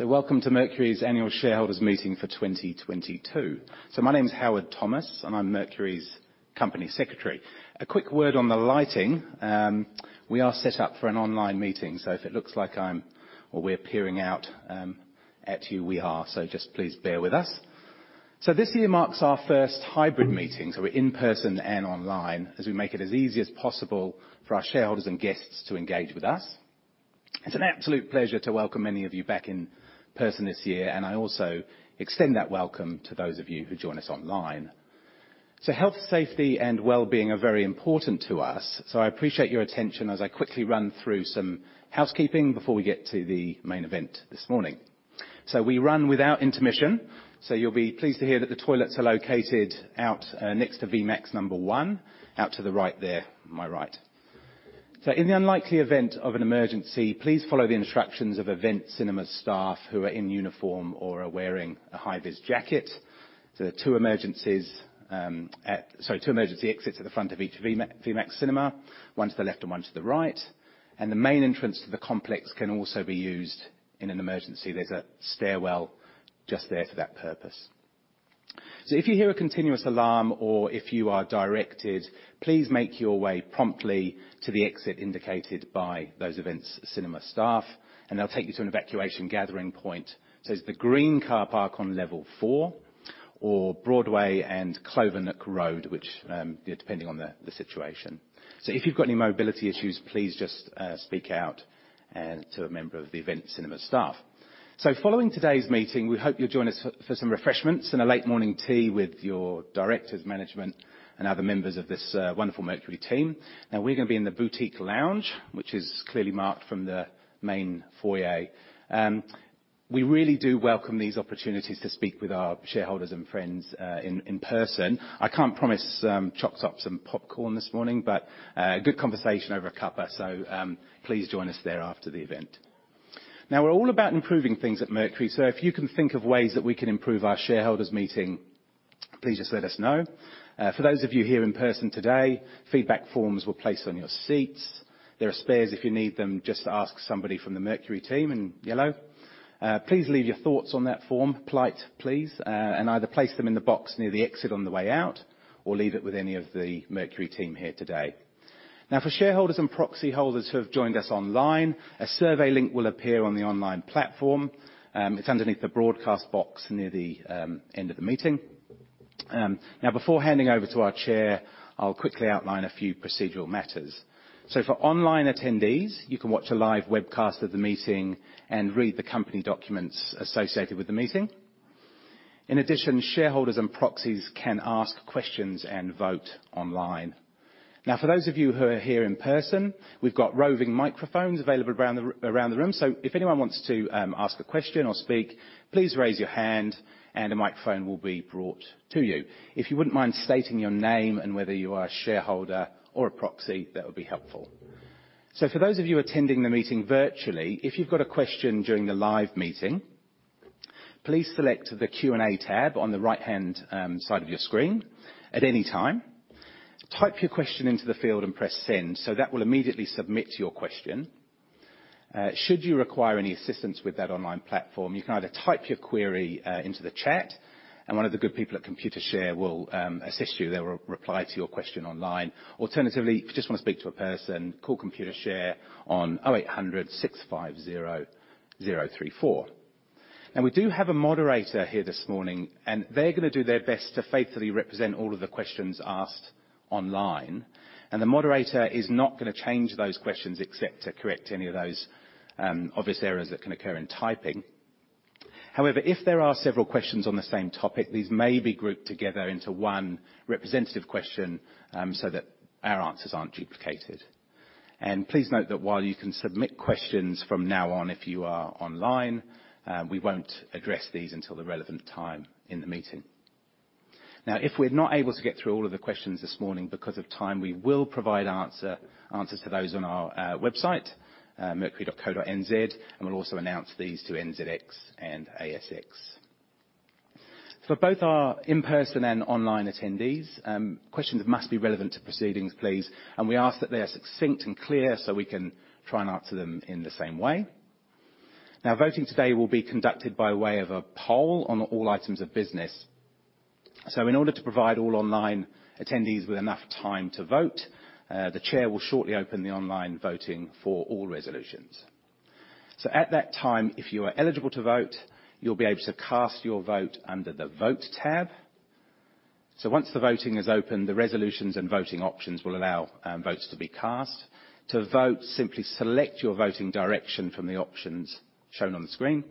Welcome to Mercury's annual shareholders meeting for 2022. My name's Howard Thomas, and I'm Mercury's Company Secretary. A quick word on the lighting. We are set up for an online meeting, so if it looks like I'm or we're peering out at you, we are. Just please bear with us. This year marks our first hybrid meeting, so we're in-person and online, as we make it as easy as possible for our shareholders and guests to engage with us. It's an absolute pleasure to welcome many of you back in person this year, and I also extend that welcome to those of you who join us online. Health, safety, and wellbeing are very important to us, so I appreciate your attention as I quickly run through some housekeeping before we get to the main event this morning. We run without intermission, so you'll be pleased to hear that the toilets are located out, next to VMAX number one, out to the right there, my right. In the unlikely event of an emergency, please follow the instructions of Event Cinemas staff who are in uniform or are wearing a high vis jacket. There are two emergency exits at the front of each VMAX cinema, one to the left and one to the right, and the main entrance to the complex can also be used in an emergency. There's a stairwell just there for that purpose. If you hear a continuous alarm or if you are directed, please make your way promptly to the exit indicated by those Event Cinemas staff, and they'll take you to an evacuation gathering point. It's the green car park on level four or Broadway and Clovelly Road, which, depending on the situation. If you've got any mobility issues, please just speak out to a member of the Event Cinemas staff. Following today's meeting, we hope you'll join us for some refreshments and a late morning tea with your directors, management, and other members of this wonderful Mercury team. Now, we're gonna be in the boutique lounge, which is clearly marked from the main foyer. We really do welcome these opportunities to speak with our shareholders and friends in person. I can't promise chopped ups and popcorn this morning, but good conversation over a cuppa. Please join us there after the event. Now, we're all about improving things at Mercury, so if you can think of ways that we can improve our shareholders meeting, please just let us know. For those of you here in person today, feedback forms were placed on your seats. There are spares if you need them. Just ask somebody from the Mercury team in yellow. Please leave your thoughts on that form. Polite, please. Either place them in the box near the exit on the way out, or leave it with any of the Mercury team here today. Now, for shareholders and proxy holders who have joined us online, a survey link will appear on the online platform. It's underneath the broadcast box near the end of the meeting. Now before handing over to our chair, I'll quickly outline a few procedural matters. For online attendees, you can watch a live webcast of the meeting and read the company documents associated with the meeting. In addition, shareholders and proxies can ask questions and vote online. Now, for those of you who are here in person, we've got roving microphones available around the room, so if anyone wants to ask a question or speak, please raise your hand and a microphone will be brought to you. If you wouldn't mind stating your name and whether you are a shareholder or a proxy, that would be helpful. For those of you attending the meeting virtually, if you've got a question during the live meeting, please select the Q&A tab on the right-hand side of your screen at any time. Type your question into the field and press Send. That will immediately submit your question. Should you require any assistance with that online platform, you can either type your query into the chat and one of the good people at Computershare will assist you. They will reply to your question online. Alternatively, if you just wanna speak to a person, call Computershare on 0800 650 034. Now, we do have a moderator here this morning, and they're gonna do their best to faithfully represent all of the questions asked online, and the moderator is not gonna change those questions except to correct any of those obvious errors that can occur in typing. However, if there are several questions on the same topic, these may be grouped together into one representative question so that our answers aren't duplicated. Please note that while you can submit questions from now on if you are online, we won't address these until the relevant time in the meeting. Now, if we're not able to get through all of the questions this morning because of time, we will provide answers to those on our website, mercury.co.nz, and we'll also announce these to NZX and ASX. For both our in-person and online attendees, questions must be relevant to proceedings, please, and we ask that they are succinct and clear, so we can try and answer them in the same way. Now, voting today will be conducted by way of a poll on all items of business. In order to provide all online attendees with enough time to vote, the chair will shortly open the online voting for all resolutions. At that time, if you are eligible to vote, you'll be able to cast your vote under the Vote tab. Once the voting is open, the resolutions and voting options will allow votes to be cast. To vote, simply select your voting direction from the options shown on the screen.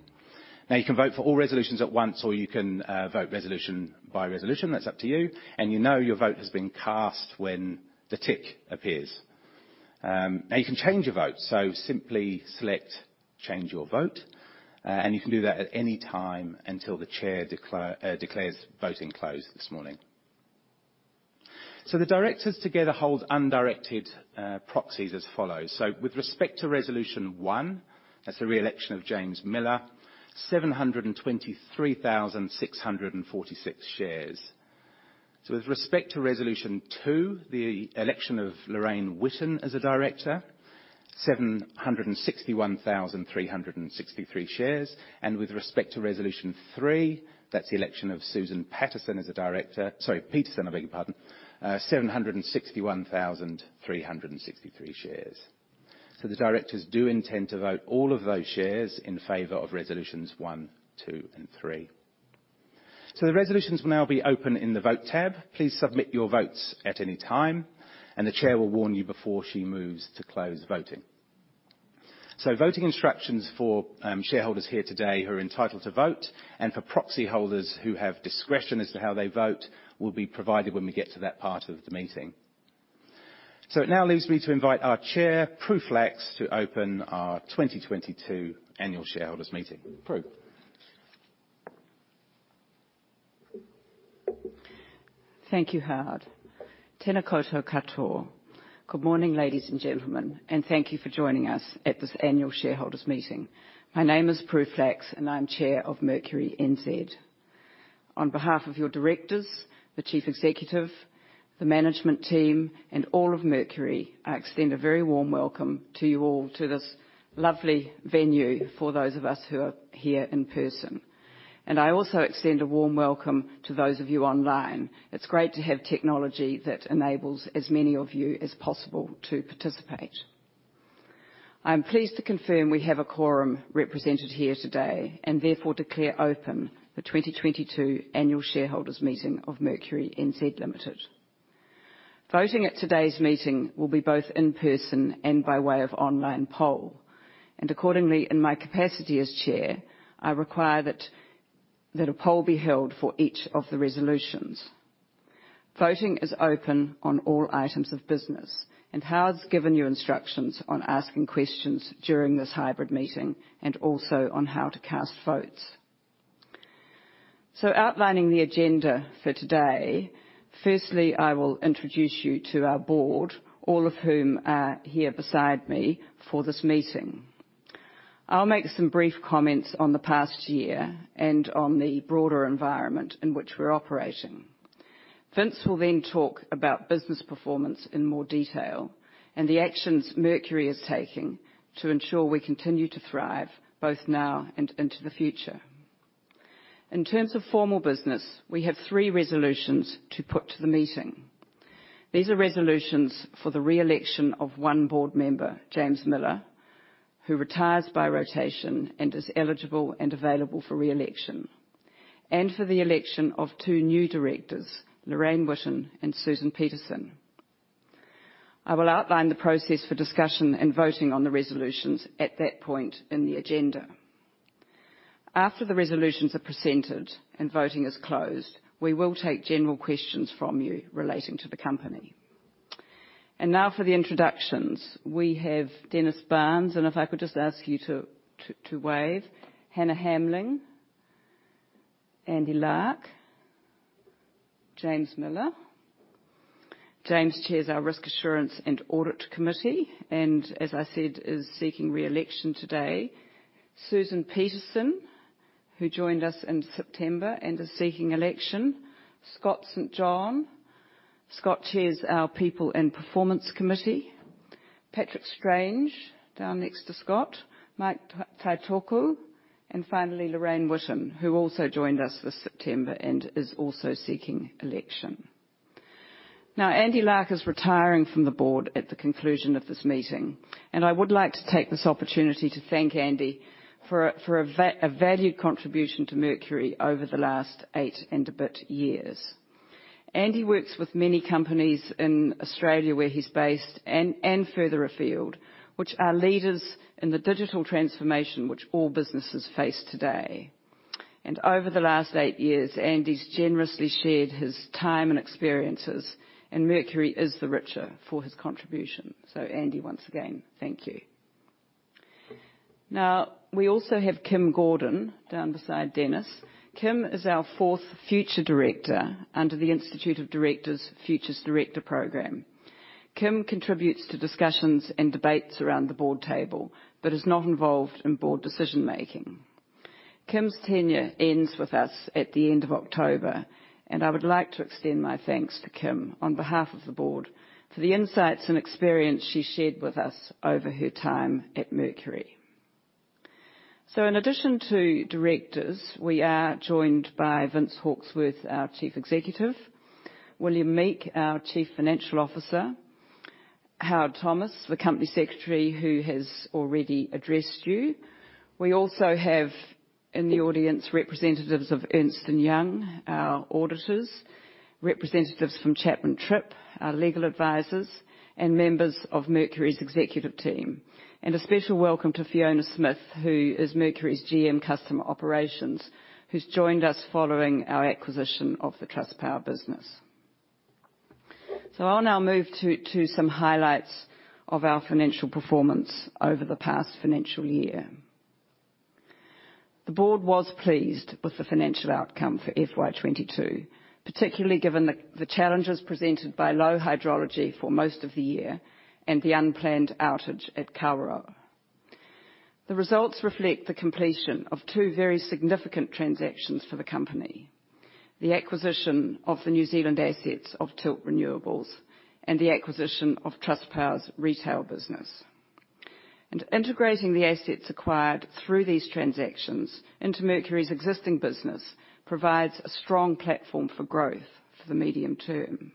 Now, you can vote for all resolutions at once or you can vote resolution by resolution. That's up to you. You know your vote has been cast when the tick appears. Now you can change your vote, so simply select Change your Vote, and you can do that at any time until the chair declares voting closed this morning. The directors together hold undirected proxies as follows. With respect to resolution one, that's the re-election of James Miller, 723,646 shares. With respect to resolution two, the election of Lorraine Witten as a Director, 761,363 shares. With respect to resolution three, that's the election of Susan Peterson as a Director, 761,363 shares. The directors do intend to vote all of those shares in favor of resolutions one, two, and three. The resolutions will now be open in the Vote tab. Please submit your votes at any time, and the Chair will warn you before she moves to close voting. Voting instructions for shareholders here today who are entitled to vote, and for proxy holders who have discretion as to how they vote, will be provided when we get to that part of the meeting. It now leaves me to invite our Chair, Prue Flacks, to open our 2022 annual shareholders' meeting. Prue. Thank you, Howard. Tēnā koutou katoa. Good morning, ladies and gentlemen, and thank you for joining us at this annual shareholders' meeting. My name is Prue Flacks, and I'm Chair of Mercury NZ. On behalf of your directors, the chief executive, the management team, and all of Mercury, I extend a very warm welcome to you all to this lovely venue for those of us who are here in person. I also extend a warm welcome to those of you online. It's great to have technology that enables as many of you as possible to participate. I am pleased to confirm we have a quorum represented here today, and therefore declare open the 2022 annual shareholders' meeting of Mercury NZ Limited. Voting at today's meeting will be both in person and by way of online poll. Accordingly, in my capacity as Chair, I require that a poll be held for each of the resolutions. Voting is open on all items of business, and Howard's given you instructions on asking questions during this hybrid meeting, and also on how to cast votes. Outlining the agenda for today, firstly, I will introduce you to our board, all of whom are here beside me for this meeting. I'll make some brief comments on the past year and on the broader environment in which we're operating. Vince will then talk about business performance in more detail and the actions Mercury is taking to ensure we continue to thrive both now and into the future. In terms of formal business, we have three resolutions to put to the meeting. These are resolutions for the re-election of one board member, James Miller, who retires by rotation and is eligible and available for re-election. For the election of two new directors, Lorraine Witten and Susan Peterson. I will outline the process for discussion and voting on the resolutions at that point in the agenda. After the resolutions are presented and voting is closed, we will take general questions from you relating to the company. Now for the introductions. We have Dennis Barnes, and if I could just ask you to wave. Hannah Hamling, Andy Lark, James Miller. James chairs our Risk Assurance and Audit Committee, and as I said, is seeking re-election today. Susan Peterson, who joined us in September and is seeking election. Scott St. John. Scott Chairs our People and Performance Committee. Patrick Strange, down next to Scott. Mike Taitoko, and finally, Lorraine Witten, who also joined us this September and is also seeking election. Now, Andy Lark is retiring from the board at the conclusion of this meeting, and I would like to take this opportunity to thank Andy for a valued contribution to Mercury NZ over the last eight and a bit years. Andy works with many companies in Australia where he's based and further afield, which are leaders in the digital transformation which all businesses face today. Over the last eight years, Andy's generously shared his time and experiences, and Mercury NZ is the richer for his contribution. Andy, once again, thank you. Now, we also have Kim Gordon down beside Dennis Barnes. Kim is our fourth future director under the Institute of Directors Future Directors Programme. Kim contributes to discussions and debates around the board table, but is not involved in board decision-making. Kim's tenure ends with us at the end of October, and I would like to extend my thanks to Kim on behalf of the board for the insights and experience she shared with us over her time at Mercury. In addition to directors, we are joined by Vince Hawksworth, our Chief Executive. William Meek, our Chief Financial Officer. Howard Thomas, the Company Secretary, who has already addressed you. We also have, in the audience, representatives of Ernst & Young, our auditors. Representatives from Chapman Tripp, our Legal Advisors, and members of Mercury's executive team. A special welcome to Fiona Smith, who is Mercury's GM Customer Operations, who's joined us following our acquisition of the Trustpower business. I'll now move to some highlights of our financial performance over the past financial year. The board was pleased with the financial outcome for FY 2022, particularly given the challenges presented by low hydrology for most of the year and the unplanned outage at Kawerau. The results reflect the completion of two very significant transactions for the company. The acquisition of the New Zealand assets of Tilt Renewables and the acquisition of Trustpower's retail business. Integrating the assets acquired through these transactions into Mercury's existing business provides a strong platform for growth for the medium term.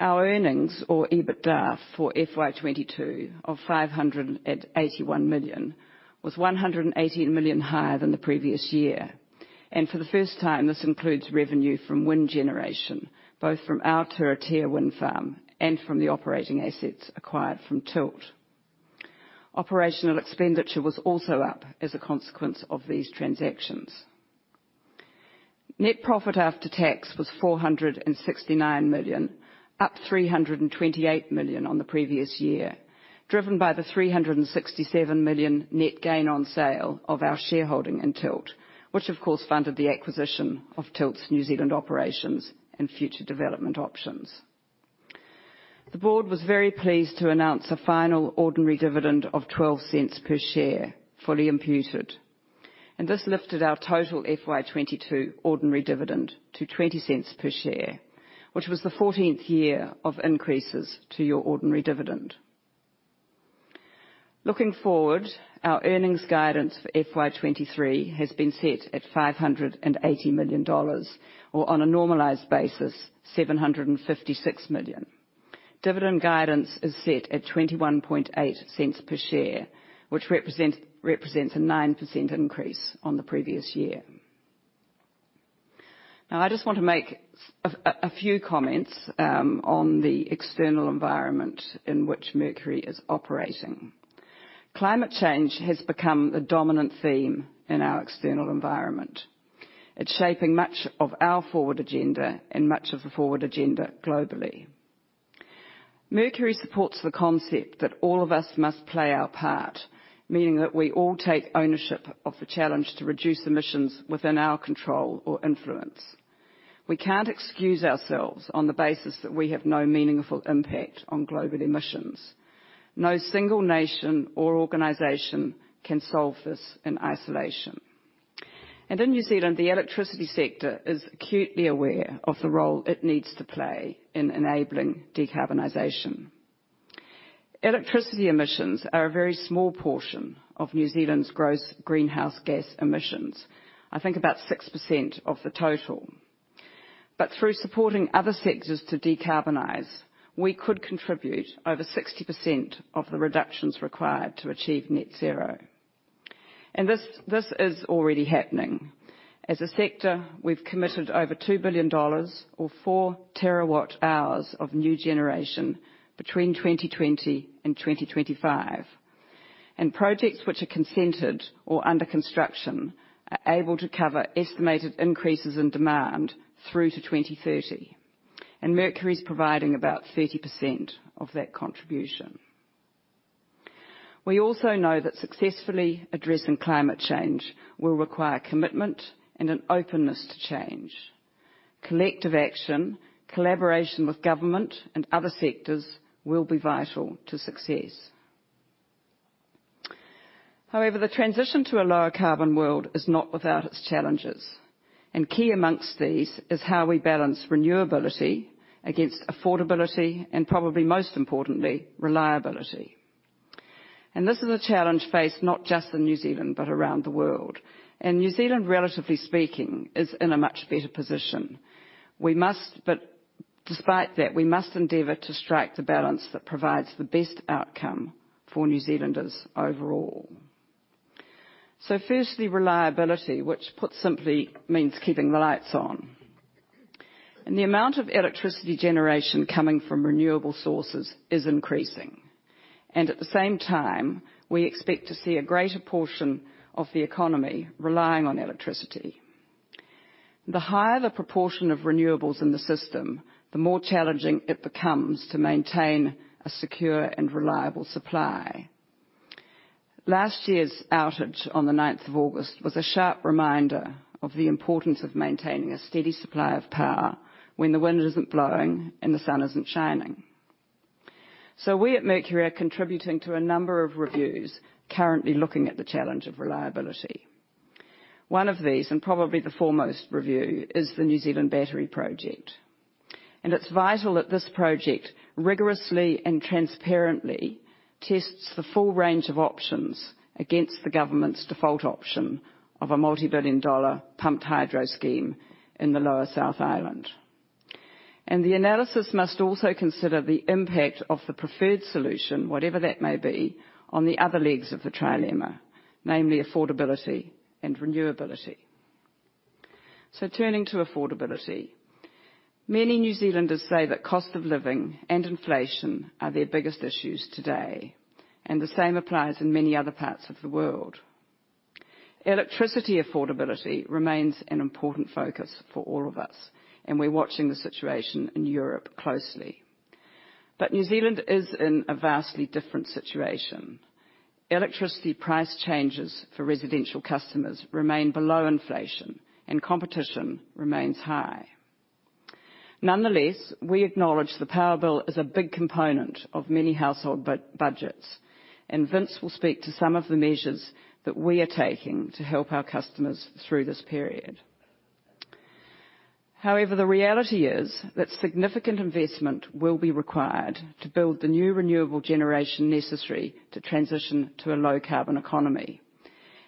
Our earnings or EBITDA for FY 2022 of 581 million was 118 million higher than the previous year. For the first time, this includes revenue from wind generation, both from our Turitea Wind Farm and from the operating assets acquired from Tilt. Operational expenditure was also up as a consequence of these transactions. Net profit after tax was 469 million, up 328 million on the previous year, driven by the 367 million net gain on sale of our shareholding in Tilt, which of course funded the acquisition of Tilt's New Zealand operations and future development options. The board was very pleased to announce a final ordinary dividend of 0.12 per share, fully imputed. This lifted our total FY 2022 ordinary dividend to 0.20 per share, which was the 14th year of increases to your ordinary dividend. Looking forward, our earnings guidance for FY 2023 has been set at 580 million dollars, or on a normalized basis, 756 million. Dividend guidance is set at 0.218 per share, which represents a 9% increase on the previous year. Now, I just want to make a few comments on the external environment in which Mercury is operating. Climate change has become the dominant theme in our external environment. It's shaping much of our forward agenda and much of the forward agenda globally. Mercury supports the concept that all of us must play our part, meaning that we all take ownership of the challenge to reduce emissions within our control or influence. We can't excuse ourselves on the basis that we have no meaningful impact on global emissions. No single nation or organization can solve this in isolation. In New Zealand, the electricity sector is acutely aware of the role it needs to play in enabling decarbonization. Electricity emissions are a very small portion of New Zealand's gross greenhouse gas emissions. I think about 6% of the total. Through supporting other sectors to decarbonize, we could contribute over 60% of the reductions required to achieve net zero. This is already happening. As a sector, we've committed over 2 billion dollars or four terawatt-hours of new generation between 2020 and 2025. Projects which are consented or under construction are able to cover estimated increases in demand through to 2030, and Mercury is providing about 30% of that contribution. We also know that successfully addressing climate change will require commitment and an openness to change. Collective action, collaboration with government and other sectors will be vital to success. However, the transition to a lower carbon world is not without its challenges, and key amongst these is how we balance renewability against affordability and probably most importantly, reliability. This is a challenge faced not just in New Zealand, but around the world. New Zealand, relatively speaking, is in a much better position. But despite that, we must endeavor to strike the balance that provides the best outcome for New Zealanders overall. Firstly, reliability, which put simply means keeping the lights on. The amount of electricity generation coming from renewable sources is increasing. At the same time, we expect to see a greater portion of the economy relying on electricity. The higher the proportion of renewables in the system, the more challenging it becomes to maintain a secure and reliable supply. Last year's outage on the ninth of August was a sharp reminder of the importance of maintaining a steady supply of power when the wind isn't blowing and the sun isn't shining. We at Mercury are contributing to a number of reviews currently looking at the challenge of reliability. One of these, and probably the foremost review, is the New Zealand Battery Project. It's vital that this project rigorously and transparently tests the full range of options against the government's default option of a multi-billion NZD pumped hydro scheme in the lower South Island. The analysis must also consider the impact of the preferred solution, whatever that may be, on the other legs of the trilemma, namely affordability and renewability. Turning to affordability. Many New Zealanders say that cost of living and inflation are their biggest issues today, and the same applies in many other parts of the world. Electricity affordability remains an important focus for all of us, and we're watching the situation in Europe closely. But New Zealand is in a vastly different situation. Electricity price changes for residential customers remain below inflation and competition remains high. Nonetheless, we acknowledge the power bill is a big component of many household budgets, and Vince will speak to some of the measures that we are taking to help our customers through this period. However, the reality is that significant investment will be required to build the new renewable generation necessary to transition to a low-carbon economy,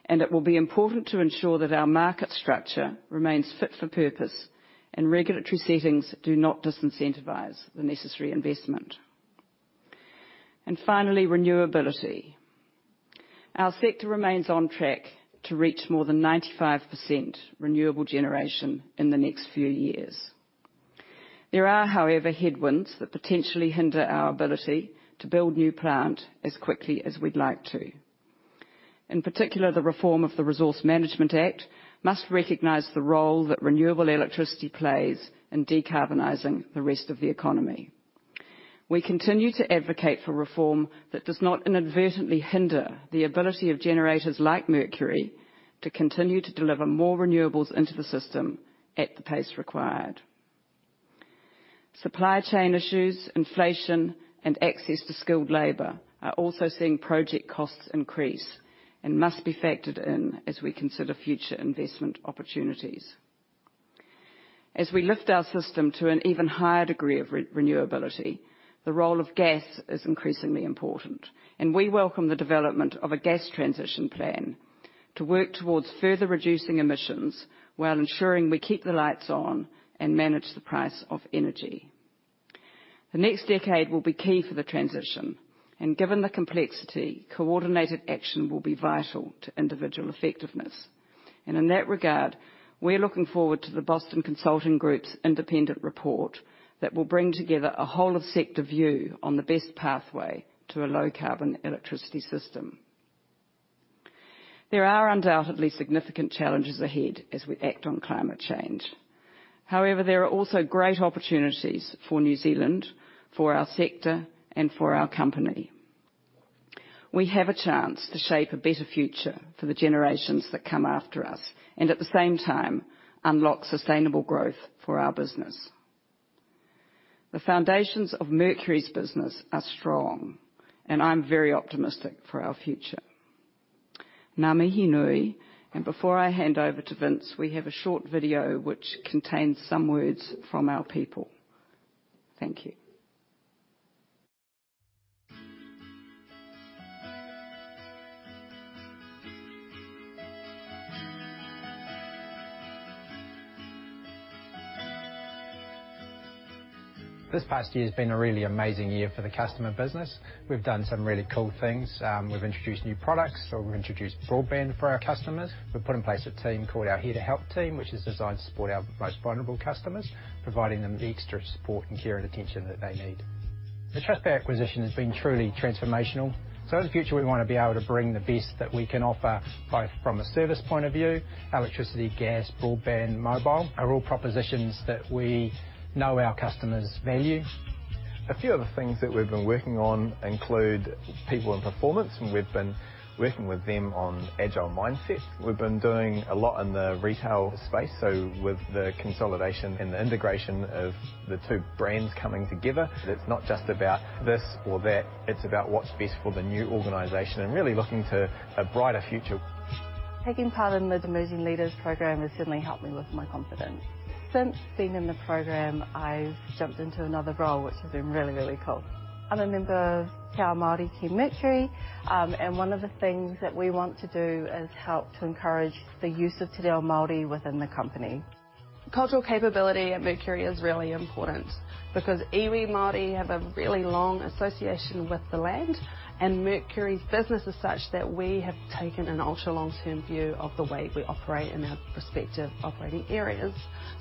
and it will be important to ensure that our market structure remains fit for purpose and regulatory settings do not disincentivize the necessary investment. Finally, renewability. Our sector remains on track to reach more than 95% renewable generation in the next few years. There are, however, headwinds that potentially hinder our ability to build new plant as quickly as we'd like to. In particular, the reform of the Resource Management Act must recognize the role that renewable electricity plays in decarbonizing the rest of the economy. We continue to advocate for reform that does not inadvertently hinder the ability of generators like Mercury to continue to deliver more renewables into the system at the pace required. Supply chain issues, inflation, and access to skilled labor are also seeing project costs increase and must be factored in as we consider future investment opportunities. As we lift our system to an even higher degree of renewability, the role of gas is increasingly important, and we welcome the development of a gas transition plan to work towards further reducing emissions while ensuring we keep the lights on and manage the price of energy. The next decade will be key for the transition, and given the complexity, coordinated action will be vital to individual effectiveness. In that regard, we're looking forward to the Boston Consulting Group's independent report that will bring together a whole of sector view on the best pathway to a low-carbon electricity system. There are undoubtedly significant challenges ahead as we act on climate change. However, there are also great opportunities for New Zealand, for our sector, and for our company. We have a chance to shape a better future for the generations that come after us and at the same time, unlock sustainable growth for our business. The foundations of Mercury's business are strong, and I'm very optimistic for our future. Ngā mihi nui. Before I hand over to Vince, we have a short video which contains some words from our people. Thank you. This past year has been a really amazing year for the customer business. We've done some really cool things. We've introduced new products, or we've introduced broadband for our customers. We've put in place a team called our Here to Help team, which is designed to support our most vulnerable customers, providing them the extra support, and care, and attention that they need. The Trustpower acquisition has been truly transformational. In the future, we wanna be able to bring the best that we can offer, both from a service point of view, electricity, gas, broadband, mobile, are all propositions that we know our customers value. A few other things that we've been working on include People and Performance, and we've been working with them on agile mindset. We've been doing a lot in the retail space, so with the consolidation and the integration of the two brands coming together. It's not just about this or that, it's about what's best for the new organization and really looking to a brighter future. Taking part in the Emerging Leaders Program has certainly helped me with my confidence. Since being in the program, I've jumped into another role, which has been really, really cool. I'm a member of Te Ao Māori Team Mercury. One of the things that we want to do is help to encourage the use of te reo Māori within the company. Cultural capability at Mercury is really important because Iwi Māori have a really long association with the land, and Mercury's business is such that we have taken an ultra long-term view of the way we operate in our respective operating areas.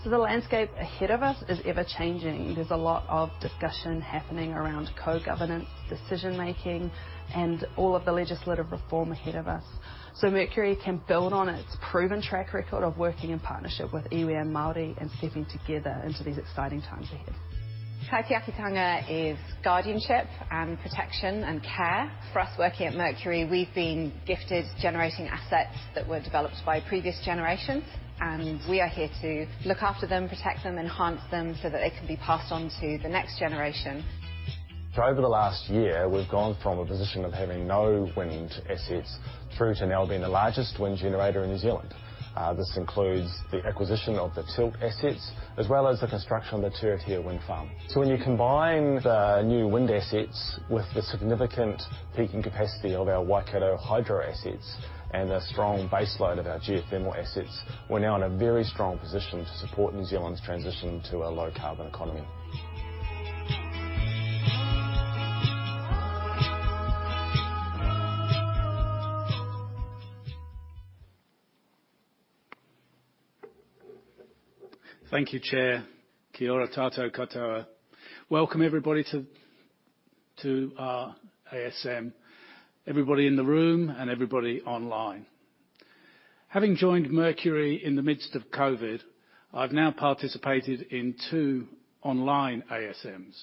The landscape ahead of us is ever-changing. There's a lot of discussion happening around co-governance, decision-making, and all of the legislative reform ahead of us. Mercury can build on its proven track record of working in partnership with Iwi and Māori and stepping together into these exciting times ahead. Tiaakitanga is guardianship and protection and care. For us working at Mercury, we've been gifted generating assets that were developed by previous generations, and we are here to look after them, protect them, enhance them, so that they can be passed on to the next generation. Over the last year, we've gone from a position of having no wind assets through to now being the largest wind generator in New Zealand. This includes the acquisition of the Tilt assets, as well as the construction of the Turitea Wind Farm. When you combine the new wind assets with the significant peaking capacity of our Waikato hydro assets and the strong baseline of our geothermal assets, we're now in a very strong position to support New Zealand's transition to a low-carbon economy. Thank you, Chair. Kia ora koutou katoa. Welcome everybody to our AGM. Everybody in the room and everybody online. Having joined Mercury in the midst of COVID, I've now participated in two online AGMs.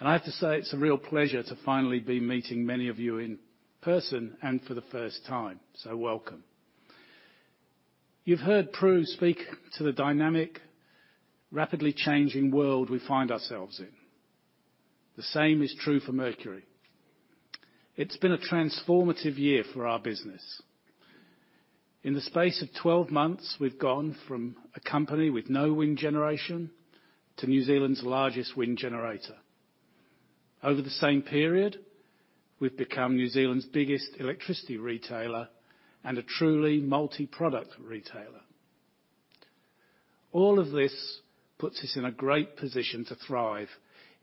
I have to say it's a real pleasure to finally be meeting many of you in person and for the first time. Welcome. You've heard Prue speak to the dynamic, rapidly changing world we find ourselves in. The same is true for Mercury. It's been a transformative year for our business. In the space of 12 months, we've gone from a company with no wind generation to New Zealand's largest wind generator. Over the same period, we've become New Zealand's biggest electricity retailer and a truly multiproduct retailer. All of this puts us in a great position to thrive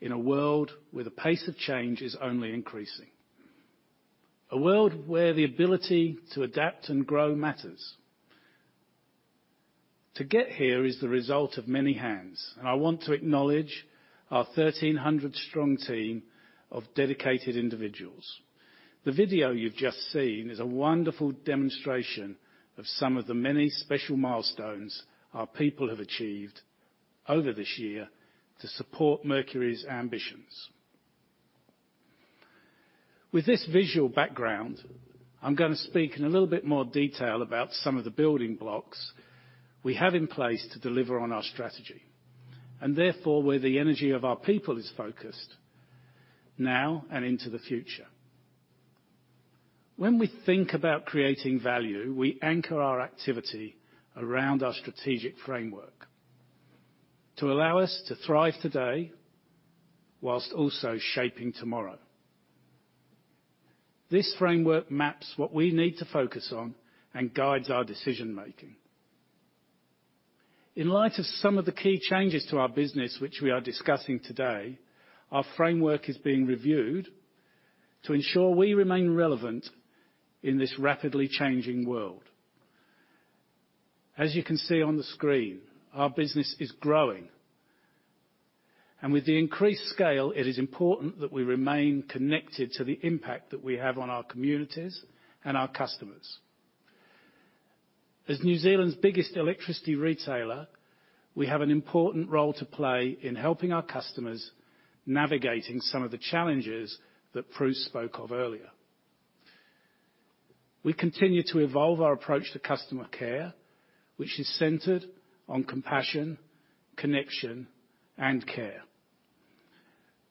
in a world where the pace of change is only increasing, a world where the ability to adapt and grow matters. To get here is the result of many hands, and I want to acknowledge our 1,300-strong team of dedicated individuals. The video you've just seen is a wonderful demonstration of some of the many special milestones our people have achieved over this year to support Mercury's ambitions. With this visual background, I'm gonna speak in a little bit more detail about some of the building blocks we have in place to deliver on our strategy, and therefore, where the energy of our people is focused now and into the future. When we think about creating value, we anchor our activity around our strategic framework to allow us to thrive today while also shaping tomorrow. This framework maps what we need to focus on and guides our decision-making. In light of some of the key changes to our business, which we are discussing today, our framework is being reviewed to ensure we remain relevant in this rapidly changing world. As you can see on the screen, our business is growing. With the increased scale, it is important that we remain connected to the impact that we have on our communities and our customers. As New Zealand's biggest electricity retailer, we have an important role to play in helping our customers navigating some of the challenges that Prue spoke of earlier. We continue to evolve our approach to customer care, which is centered on compassion, connection, and care.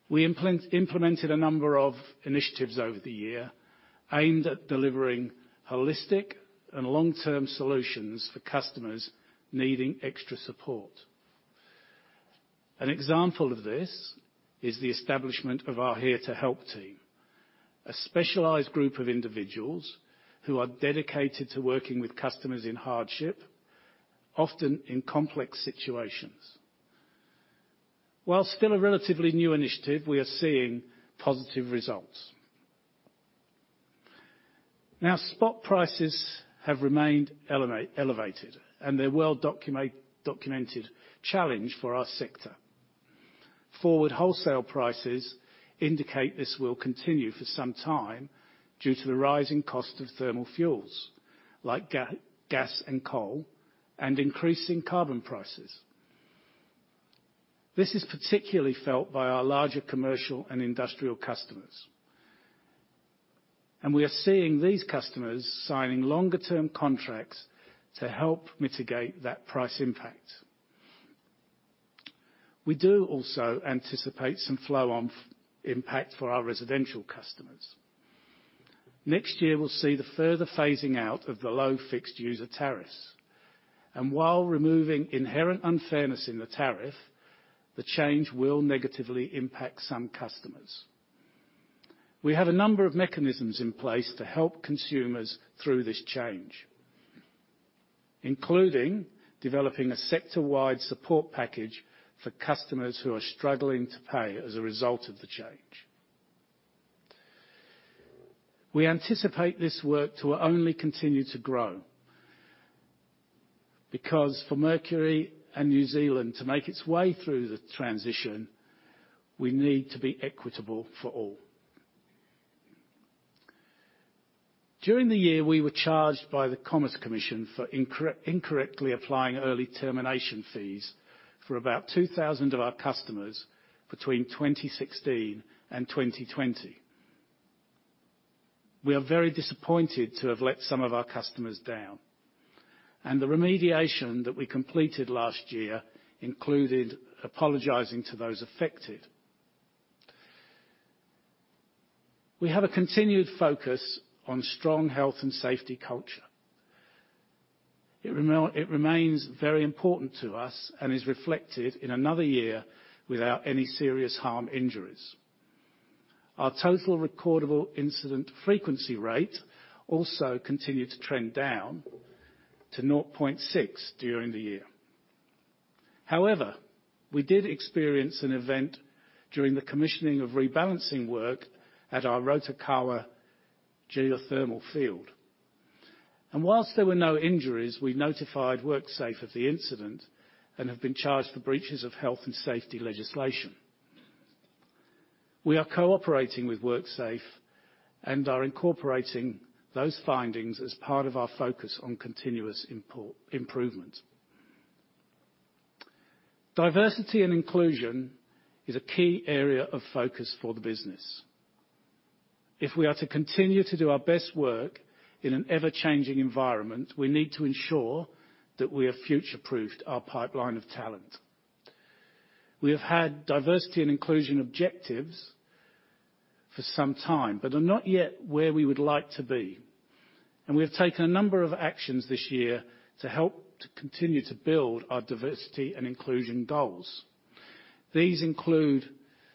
We implemented a number of initiatives over the year aimed at delivering holistic and long-term solutions for customers needing extra support. An example of this is the establishment of our here to Help team, a specialized group of individuals who are dedicated to working with customers in hardship, often in complex situations. While still a relatively new initiative, we are seeing positive results. Now, spot prices have remained elevated, and they're a well documented challenge for our sector. Forward wholesale prices indicate this will continue for some time due to the rising cost of thermal fuels, like gas and coal, and increasing carbon prices. This is particularly felt by our larger commercial and industrial customers, and we are seeing these customers signing longer-term contracts to help mitigate that price impact. We do also anticipate some flow-on impact for our residential customers. Next year, we'll see the further phasing out of the low fixed user tariffs, and while removing inherent unfairness in the tariff, the change will negatively impact some customers. We have a number of mechanisms in place to help consumers through this change, including developing a sector-wide support package for customers who are struggling to pay as a result of the change. We anticipate this work to only continue to grow because for Mercury and New Zealand to make its way through the transition, we need to be equitable for all. During the year, we were charged by the Commerce Commission for incorrectly applying early termination fees for about 2,000 of our customers between 2016 and 2020. We are very disappointed to have let some of our customers down, and the remediation that we completed last year included apologizing to those affected. We have a continued focus on strong health and safety culture. It remains very important to us and is reflected in another year without any serious harm injuries. Our total recordable incident frequency rate also continued to trend down to 0.6 during the year. However, we did experience an event during the commissioning of rebalancing work at our Rotokawa geothermal field. While there were no injuries, we notified WorkSafe of the incident and have been charged for breaches of health and safety legislation. We are cooperating with WorkSafe and are incorporating those findings as part of our focus on continuous improvement. Diversity and inclusion is a key area of focus for the business. If we are to continue to do our best work in an ever-changing environment, we need to ensure that we have future-proofed our pipeline of talent. We have had diversity and inclusion objectives for some time, but are not yet where we would like to be. We have taken a number of actions this year to help to continue to build our diversity and inclusion goals. These include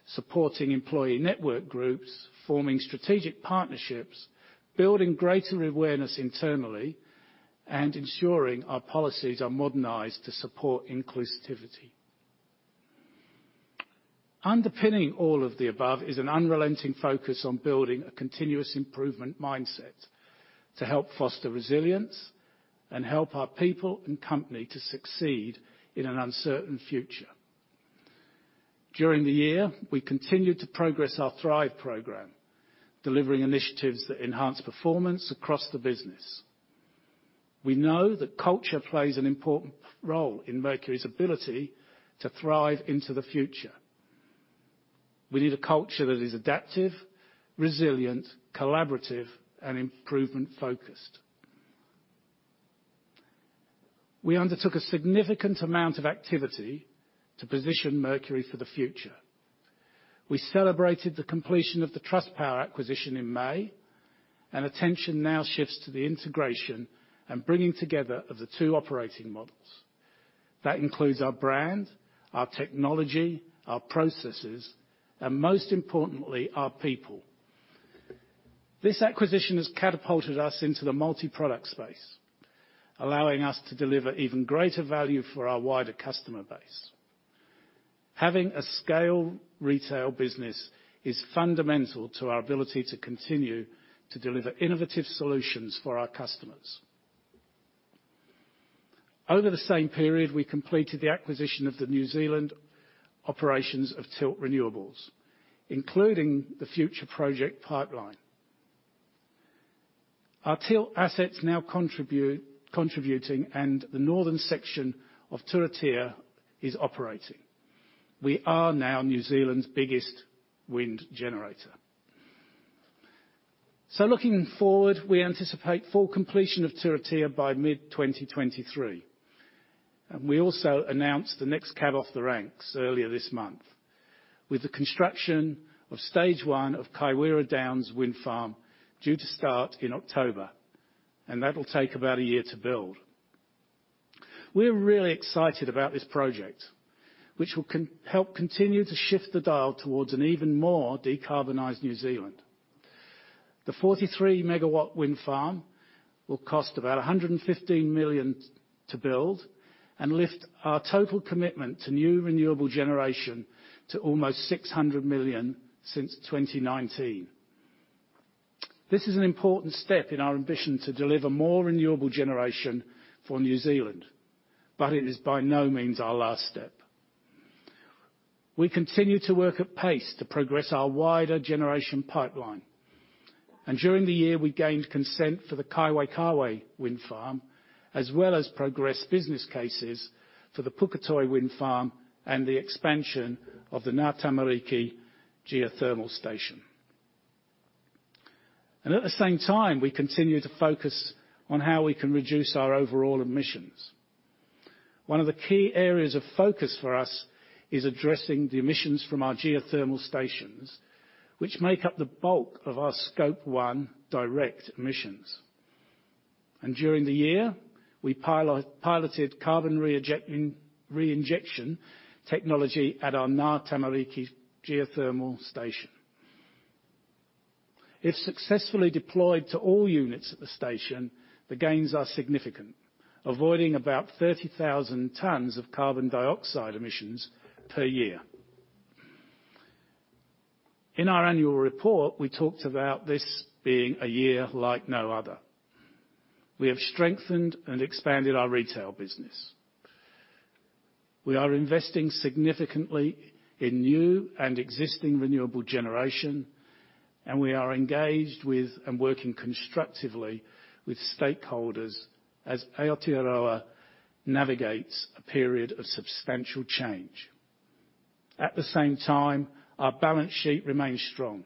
supporting employee network groups, forming strategic partnerships, building greater awareness internally, and ensuring our policies are modernized to support inclusivity. Underpinning all of the above is an unrelenting focus on building a continuous improvement mindset to help foster resilience and help our people and company to succeed in an uncertain future. During the year, we continued to progress our Thrive program, delivering initiatives that enhance performance across the business. We know that culture plays an important role in Mercury's ability to thrive into the future. We need a culture that is adaptive, resilient, collaborative, and improvement-focused. We undertook a significant amount of activity to position Mercury for the future. We celebrated the completion of the Trustpower acquisition in May, and attention now shifts to the integration and bringing together of the two operating models. That includes our brand, our technology, our processes, and most importantly, our people. This acquisition has catapulted us into the multi-product space, allowing us to deliver even greater value for our wider customer base. Having a scale retail business is fundamental to our ability to continue to deliver innovative solutions for our customers. Over the same period, we completed the acquisition of the New Zealand operations of Tilt Renewables, including the future project pipeline. Our Tilt assets now contribute and the northern section of Turitea is operating. We are now New Zealand's biggest wind generator. Looking forward, we anticipate full completion of Turitea by mid-2023. We also announced the next cab off the ranks earlier this month, with the construction of Stage 1 of Kaiwera Downs Wind Farm due to start in October, and that'll take about a year to build. We're really excited about this project, which will help continue to shift the dial towards an even more decarbonized New Zealand. The 43 MW wind farm will cost about 115 million to build and lift our total commitment to new renewable generation to almost 600 million since 2019. This is an important step in our ambition to deliver more renewable generation for New Zealand, but it is by no means our last step. We continue to work at pace to progress our wider generation pipeline. During the year, we gained consent for the Kaiwaikawe Wind Farm, as well as progressed business cases for the Puketoi Wind Farm and the expansion of the Ngā Tamariki Geothermal Station. At the same time, we continue to focus on how we can reduce our overall emissions. One of the key areas of focus for us is addressing the emissions from our geothermal stations, which make up the bulk of our Scope 1 direct emissions. During the year, we piloted carbon reinjection technology at our Ngā Tamariki Geothermal Station. If successfully deployed to all units at the station, the gains are significant, avoiding about 30,000 tons of carbon dioxide emissions per year. In our annual report, we talked about this being a year like no other. We have strengthened and expanded our retail business. We are investing significantly in new and existing renewable generation, and we are engaged with and working constructively with stakeholders as Aotearoa navigates a period of substantial change. At the same time, our balance sheet remains strong,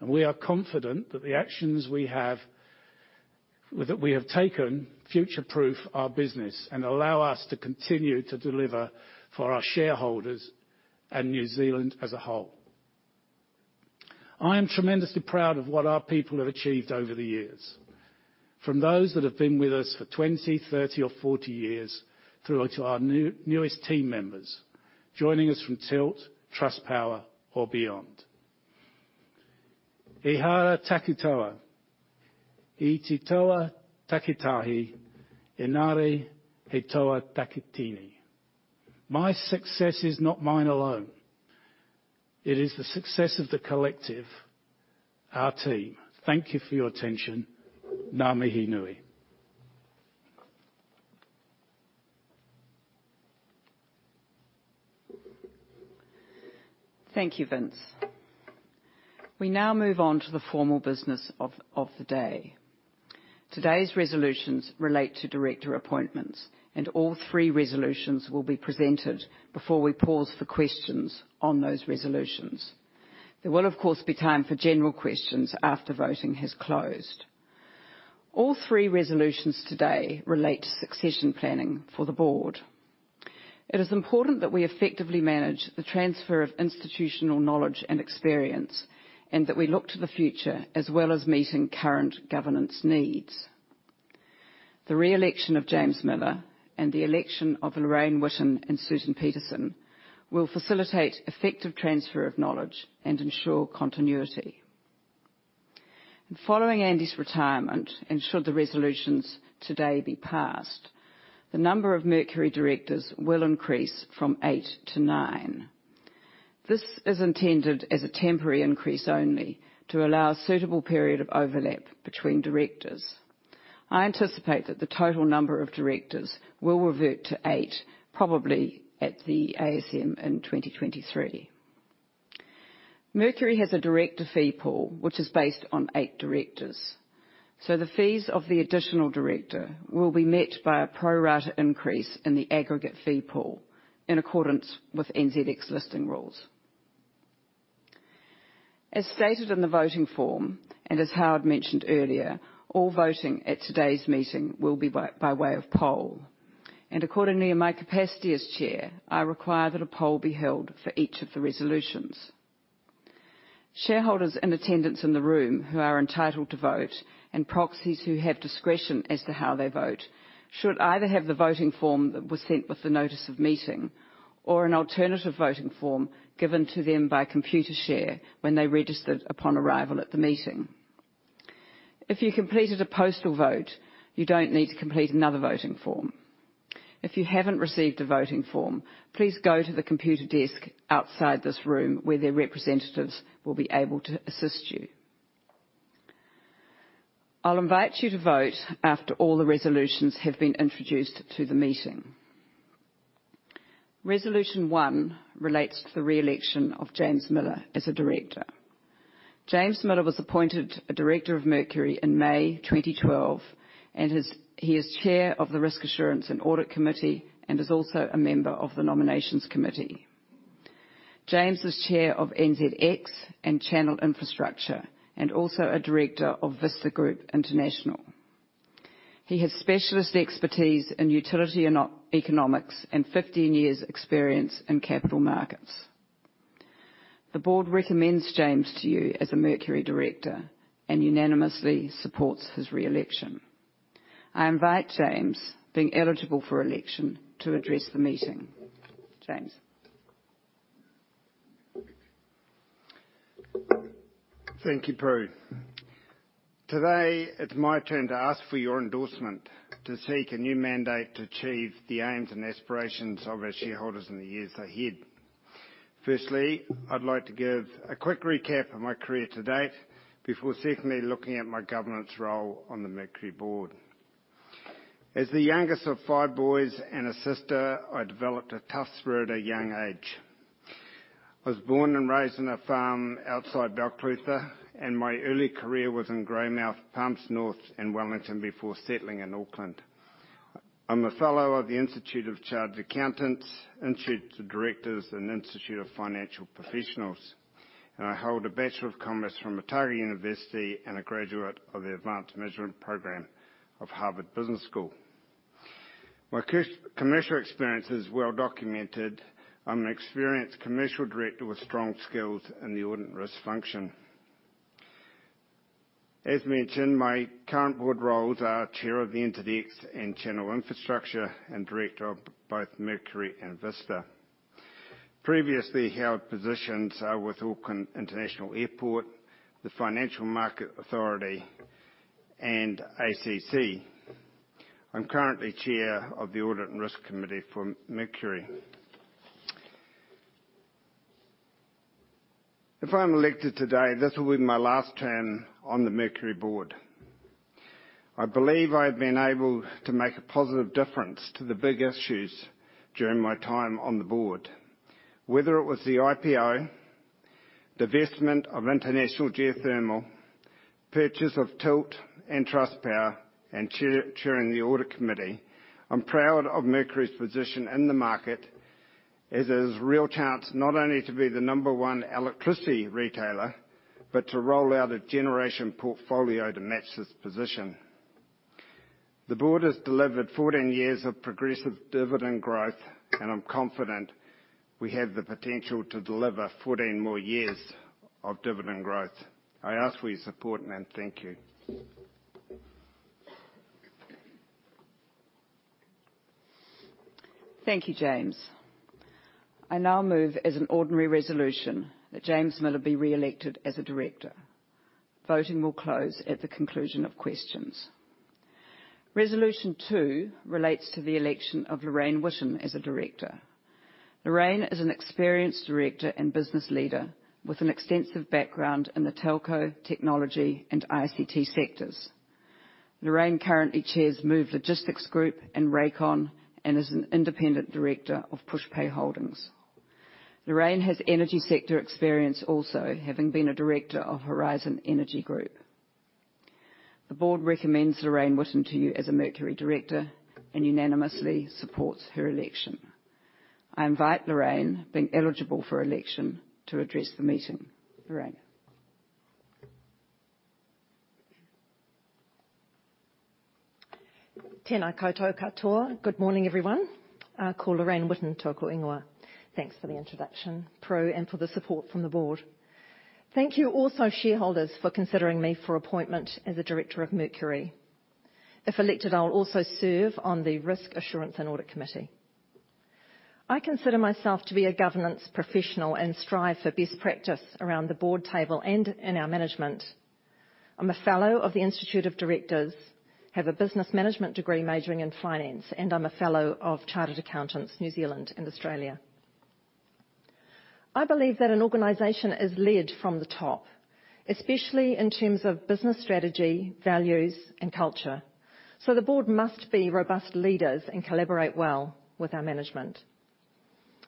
and we are confident that the actions we have taken future-proof our business and allow us to continue to deliver for our shareholders and New Zealand as a whole. I am tremendously proud of what our people have achieved over the years, from those that have been with us for 20, 30, or 40 years, through to our newest team members joining us from Tilt, Trustpower or beyond. "He aha te toa tei toa takitahi? E nara te toa takitini." My success is not mine alone. It is the success of the collective, our team. Thank you for your attention, ngā mihi nui. Thank you, Vince. We now move on to the formal business of the day. Today's resolutions relate to director appointments, and all three resolutions will be presented before we pause for questions on those resolutions. There will, of course, be time for general questions after voting has closed. All three resolutions today relate to succession planning for the board. It is important that we effectively manage the transfer of institutional knowledge and experience, and that we look to the future as well as meeting current governance needs. The re-election of James Miller and the election of Lorraine Witten and Susan Peterson will facilitate effective transfer of knowledge and ensure continuity. Following Andy's retirement, and should the resolutions today be passed, the number of Mercury directors will increase from eight to nine. This is intended as a temporary increase only to allow a suitable period of overlap between directors. I anticipate that the total number of directors will revert to eight, probably at the AGM in 2023. Mercury has a director fee pool, which is based on eight directors. The fees of the additional director will be met by a pro rata increase in the aggregate fee pool in accordance with NZX listing rules. As stated in the voting form, and as Howard mentioned earlier, all voting at today's meeting will be by way of poll. Accordingly, in my capacity as Chair, I require that a poll be held for each of the resolutions. Shareholders in attendance in the room who are entitled to vote, and proxies who have discretion as to how they vote should either have the voting form that was sent with the notice of meeting or an alternative voting form given to them by Computershare when they registered upon arrival at the meeting. If you completed a postal vote, you don't need to complete another voting form. If you haven't received a voting form, please go to the computer desk outside this room where their representatives will be able to assist you. I'll invite you to vote after all the resolutions have been introduced to the meeting. Resolution one relates to the re-election of James Miller as a director. James Miller was appointed a director of Mercury in May 2012, and he is Chair of the Risk Assurance and Audit Committee and is also a member of the Nominations Committee. James is Chair of NZX and Channel Infrastructure, and also a director of Vista Group International. He has specialist expertise in utility and economics and 15 years' experience in capital markets. The board recommends James to you as a Mercury director and unanimously supports his re-election. I invite James, being eligible for election, to address the meeting. James. Thank you, Prue. Today, it's my turn to ask for your endorsement to seek a new mandate to achieve the aims and aspirations of our shareholders in the years ahead. Firstly, I'd like to give a quick recap of my career to date before secondly looking at my governance role on the Mercury board. As the youngest of five boys and a sister, I developed a tough spirit at a young age. I was born and raised on a farm outside Balclutha, and my early career was in Greymouth, Palmerston North, and Wellington before settling in Auckland. I'm a Fellow of the Institute of Chartered Accountants, Institute of Directors, and Institute of Finance Professionals. I hold a Bachelor of Commerce from University of Otago and a graduate of the Advanced Management Program of Harvard Business School. My commercial experience is well documented. I'm an experienced commercial director with strong skills in the audit and risk function. As mentioned, my current board roles are Chair of the NZX and Channel Infrastructure and Director of both Mercury and Vista. Previously held positions are with Auckland International Airport, the Financial Markets Authority, and ACC. I'm currently Chair of the Audit and Risk Committee for Mercury. If I'm elected today, this will be my last term on the Mercury board. I believe I've been able to make a positive difference to the big issues during my time on the board. Whether it was the IPO, divestment of International Geothermal, purchase of Tilt and Trustpower, and chairing the Audit Committee, I'm proud of Mercury's position in the market, as there's real chance not only to be the number one electricity retailer, but to roll out a generation portfolio to match this position. The board has delivered 14 years of progressive dividend growth, and I'm confident we have the potential to deliver 14 more years of dividend growth. I ask for your support and thank you. Thank you, James. I now move as an ordinary resolution that James Miller be re-elected as a director. Voting will close at the conclusion of questions. Resolution two relates to the election of Lorraine Witten as a director. Lorraine is an experienced director and business leader with an extensive background in the telco, technology, and ICT sectors. Lorraine currently chairs Move Logistics Group and Rakon, and is an independent director of Pushpay Holdings. Lorraine has energy sector experience also, having been a director of Horizon Energy Group. The board recommends Lorraine Witten to you as a Mercury director and unanimously supports her election. I invite Lorraine, being eligible for election, to address the meeting. Lorraine. Tēnā koutou katoa. Good morning, everyone. Ko Lorraine Witten tōku ingoa. Thanks for the introduction, Prue, and for the support from the board. Thank you also, shareholders, for considering me for appointment as a director of Mercury. If elected, I'll also serve on the Risk Assurance and Audit Committee. I consider myself to be a governance professional and strive for best practice around the board table and in our management. I'm a fellow of the Institute of Directors, have a Business Management degree majoring in Finance, and I'm a fellow of Chartered Accountants Australia and New Zealand. I believe that an organization is led from the top, especially in terms of business strategy, values and culture. The board must be robust leaders and collaborate well with our management.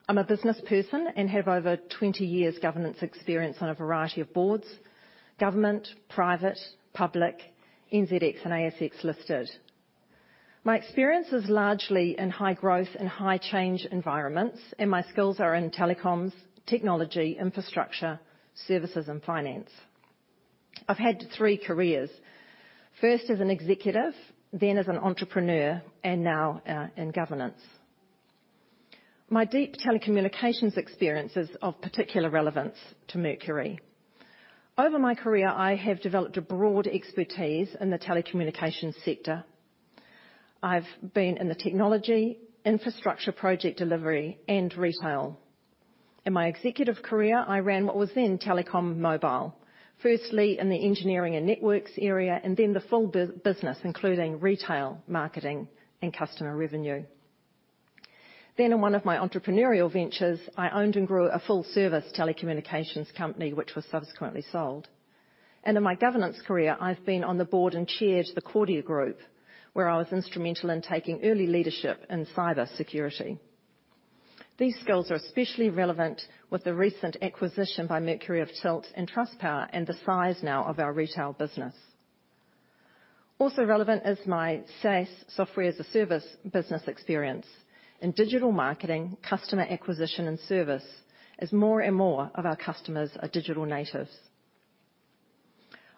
I'm a business person and have over 20 years governance experience on a variety of boards: government, private, public, NZX and ASX listed. My experience is largely in high growth and high change environments, and my skills are in telecoms, technology, infrastructure, services and finance. I've had three careers. First as an executive, then as an entrepreneur, and now, in governance. My deep telecommunications experience is of particular relevance to Mercury. Over my career, I have developed a broad expertise in the telecommunications sector. I've been in the technology, infrastructure project delivery and retail. In my executive career, I ran what was then Telecom Mobile. Firstly, in the engineering and networks area and then the full business, including retail, marketing and customer revenue. Then in one of my entrepreneurial ventures, I owned and grew a full service telecommunications company, which was subsequently sold. In my governance career, I've been on the board and chaired the Kordia Group, where I was instrumental in taking early leadership in cybersecurity. These skills are especially relevant with the recent acquisition by Mercury of Tilt and Trustpower and the size now of our retail business. Also relevant is my SaaS, Software as a Service, business experience in digital marketing, customer acquisition and service, as more and more of our customers are digital natives.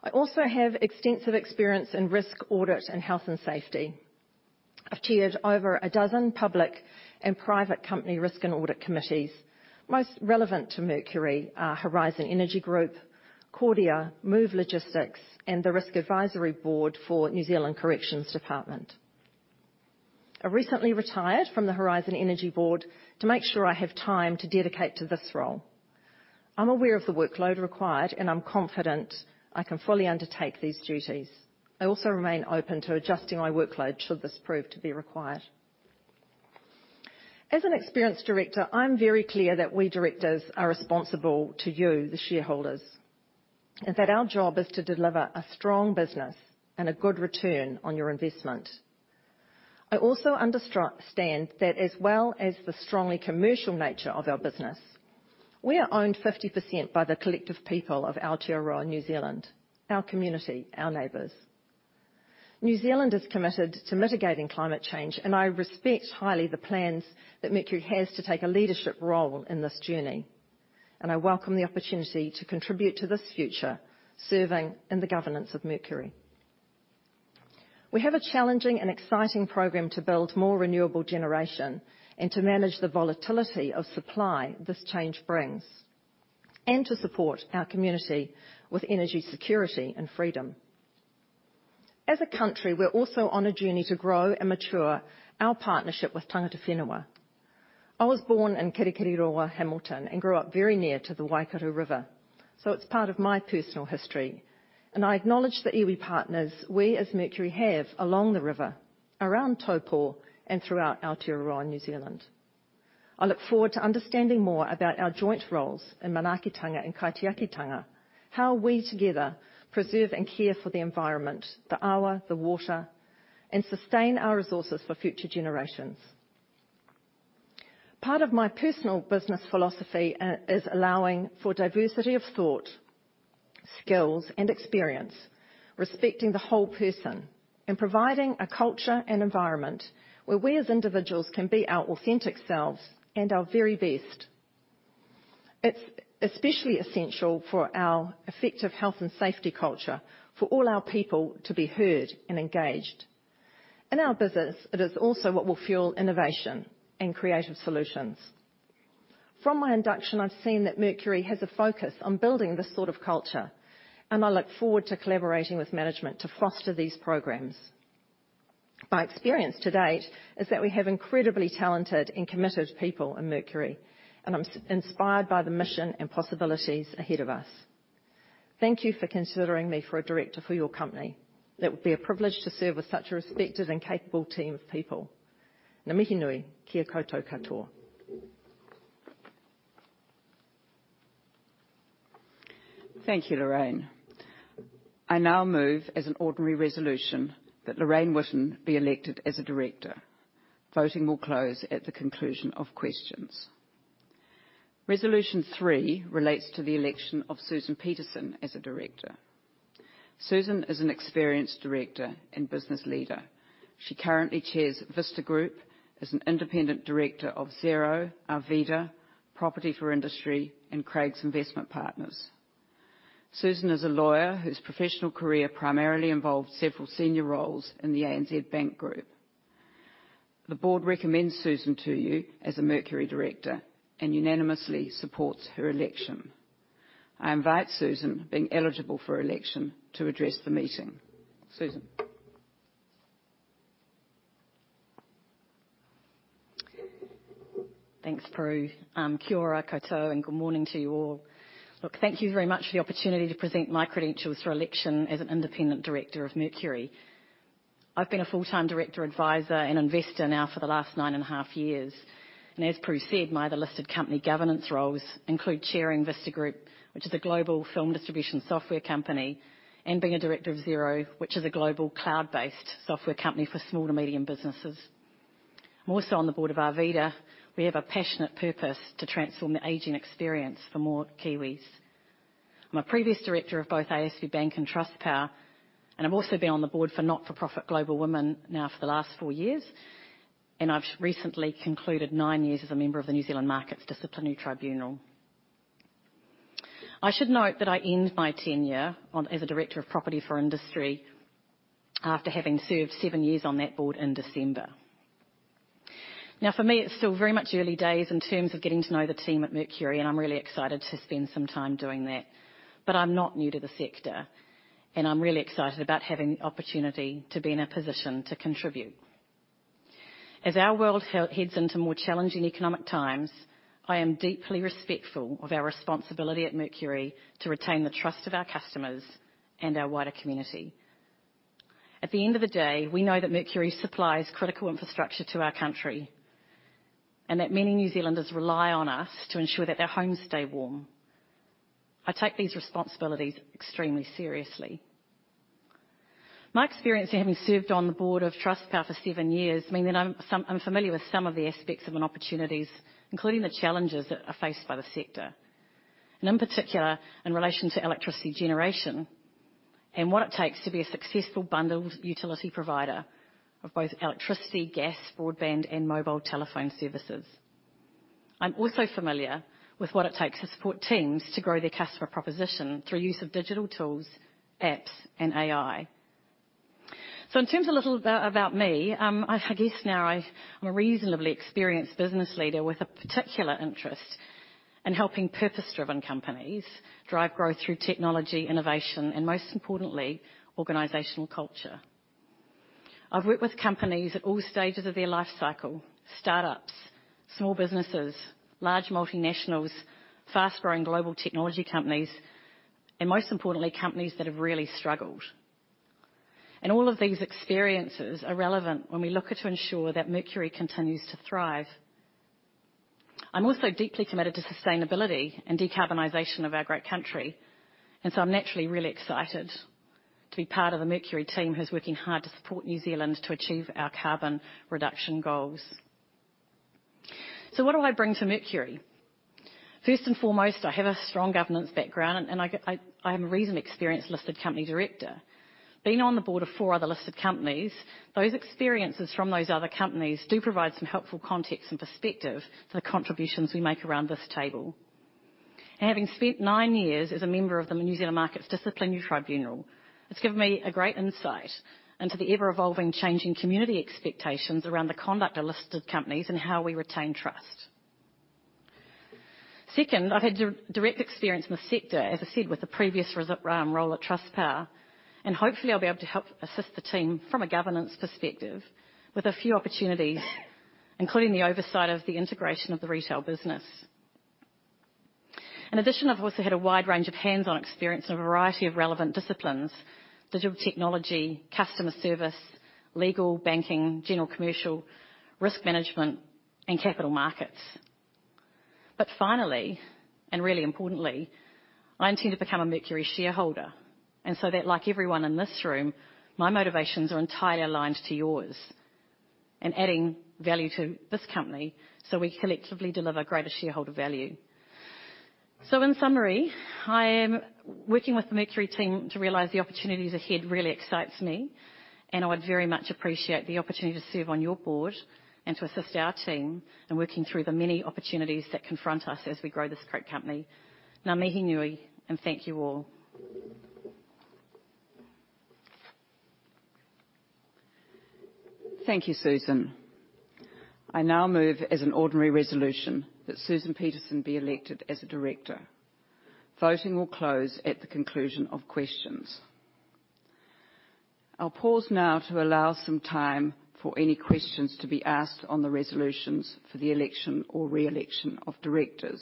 I also have extensive experience in risk audit and health and safety. I've chaired over a dozen public and private company risk and audit committees. Most relevant to Mercury are Horizon Energy Group, Kordia, Move Logistics and the Risk Advisory Board for Department of Corrections. I recently retired from the Horizon Energy Board to make sure I have time to dedicate to this role. I'm aware of the workload required, and I'm confident I can fully undertake these duties. I also remain open to adjusting my workload should this prove to be required. As an experienced director, I'm very clear that we directors are responsible to you, the shareholders, and that our job is to deliver a strong business and a good return on your investment. I also understand that as well as the strongly commercial nature of our business, we are owned 50% by the collective people of Aotearoa, New Zealand, our community, our neighbors. New Zealand is committed to mitigating climate change, and I respect highly the plans that Mercury has to take a leadership role in this journey, and I welcome the opportunity to contribute to this future serving in the governance of Mercury. We have a challenging and exciting program to build more renewable generation and to manage the volatility of supply this change brings, and to support our community with energy security and freedom. As a country, we're also on a journey to grow and mature our partnership with tangata whenua. I was born in Kirikiriroa Hamilton, and grew up very near to the Waikato River, so it's part of my personal history. I acknowledge the iwi partners we as Mercury have along the river, around Taupō, and throughout Aotearoa, New Zealand. I look forward to understanding more about our joint roles in manaakitanga and kaitiakitanga. How we together preserve and care for the environment, the awa, the water, and sustain our resources for future generations. Part of my personal business philosophy is allowing for diversity of thought, skills and experience, respecting the whole person, and providing a culture and environment where we as individuals can be our authentic selves and our very best. It's especially essential for our effective health and safety culture for all our people to be heard and engaged. In our business, it is also what will fuel innovation and creative solutions. From my induction, I've seen that Mercury has a focus on building this sort of culture, and I look forward to collaborating with management to foster these programs. My experience to date is that we have incredibly talented and committed people in Mercury, and I'm inspired by the mission and possibilities ahead of us. Thank you for considering me for a director for your company.It would be a privilege to serve with such a respected and capable team of people. Ngā mihi nui ki a koutou katoa. Thank you, Lorraine. I now move as an ordinary resolution that Lorraine Witten be elected as a director. Voting will close at the conclusion of questions. Resolution three relates to the election of Susan Peterson as a director. Susan is an experienced director and business leader. She currently chairs Vista Group, is an independent director of Xero, Arvida, Property for Industry, and Craigs Investment Partners. Susan is a lawyer whose professional career primarily involves several senior roles in the ANZ Bank Group. The board recommends Susan to you as a Mercury director and unanimously supports her election. I invite Susan, being eligible for election, to address the meeting. Susan. Thanks, Prue. Kia ora koutou, and good morning to you all. Look, thank you very much for the opportunity to present my credentials for election as an independent director of Mercury. I've been a full-time director advisor and investor now for the last 9.5 years. As Prue said, my other listed company governance roles include chairing Vista Group, which is a global film distribution software company, and being a director of Xero, which is a global cloud-based software company for small to medium businesses. I'm also on the board of Arvida. We have a passionate purpose to transform the aging experience for more Kiwis. I'm a previous director of both ASB Bank and Trustpower, and I've also been on the board for not-for-profit Global Women now for the last 4 years. I've recently concluded nine years as a member of the New Zealand Markets Disciplinary Tribunal. I should note that I end my tenure on as a director of Property for Industry after having served seven years on that board in December. Now, for me, it's still very much early days in terms of getting to know the team at Mercury, and I'm really excited to spend some time doing that. I'm not new to the sector, and I'm really excited about having the opportunity to be in a position to contribute. As our world heads into more challenging economic times, I am deeply respectful of our responsibility at Mercury to retain the trust of our customers and our wider community. At the end of the day, we know that Mercury supplies critical infrastructure to our country and that many New Zealanders rely on us to ensure that their homes stay warm. I take these responsibilities extremely seriously. My experience in having served on the board of Trustpower for seven years mean that I'm familiar with some of the aspects and opportunities, including the challenges that are faced by the sector, and in particular, in relation to electricity generation and what it takes to be a successful bundled utility provider of both electricity, gas, broadband, and mobile telephone services. I'm also familiar with what it takes to support teams to grow their customer proposition through use of digital tools, apps, and AI. In terms of a little bit about me, I guess now I'm a reasonably experienced business leader with a particular interest in helping purpose-driven companies drive growth through technology, innovation, and most importantly, organizational culture. I've worked with companies at all stages of their life cycle, startups, small businesses, large multinationals, fast-growing global technology companies, and most importantly, companies that have really struggled. All of these experiences are relevant when we look to ensure that Mercury continues to thrive. I'm also deeply committed to sustainability and decarbonization of our great country. I'm naturally really excited to be part of the Mercury team who's working hard to support New Zealand to achieve our carbon reduction goals. What do I bring to Mercury? First and foremost, I have a strong governance background and I am a reasonably experienced listed company director. Being on the board of four other listed companies, those experiences from those other companies do provide some helpful context and perspective to the contributions we make around this table. Having spent nine years as a member of the NZ Markets Disciplinary Tribunal, it's given me a great insight into the ever-evolving, changing community expectations around the conduct of listed companies and how we retain trust. Second, I've had direct experience in the sector, as I said, with the previous role at Trustpower, and hopefully I'll be able to help assist the team from a governance perspective with a few opportunities, including the oversight of the integration of the retail business. In addition, I've also had a wide range of hands-on experience in a variety of relevant disciplines, digital technology, customer service, legal, banking, general commercial, risk management, and capital markets. Finally, and really importantly, I intend to become a Mercury shareholder and so that like everyone in this room, my motivations are entirely aligned to yours in adding value to this company so we collectively deliver greater shareholder value. In summary, I am working with the Mercury team to realize the opportunities ahead really excites me, and I would very much appreciate the opportunity to serve on your board and to assist our team in working through the many opportunities that confront us as we grow this great company. Ngā mihi nui and thank you all. Thank you, Susan. I now move as an ordinary resolution that Susan Peterson be elected as a director. Voting will close at the conclusion of questions. I'll pause now to allow some time for any questions to be asked on the resolutions for the election or reelection of directors.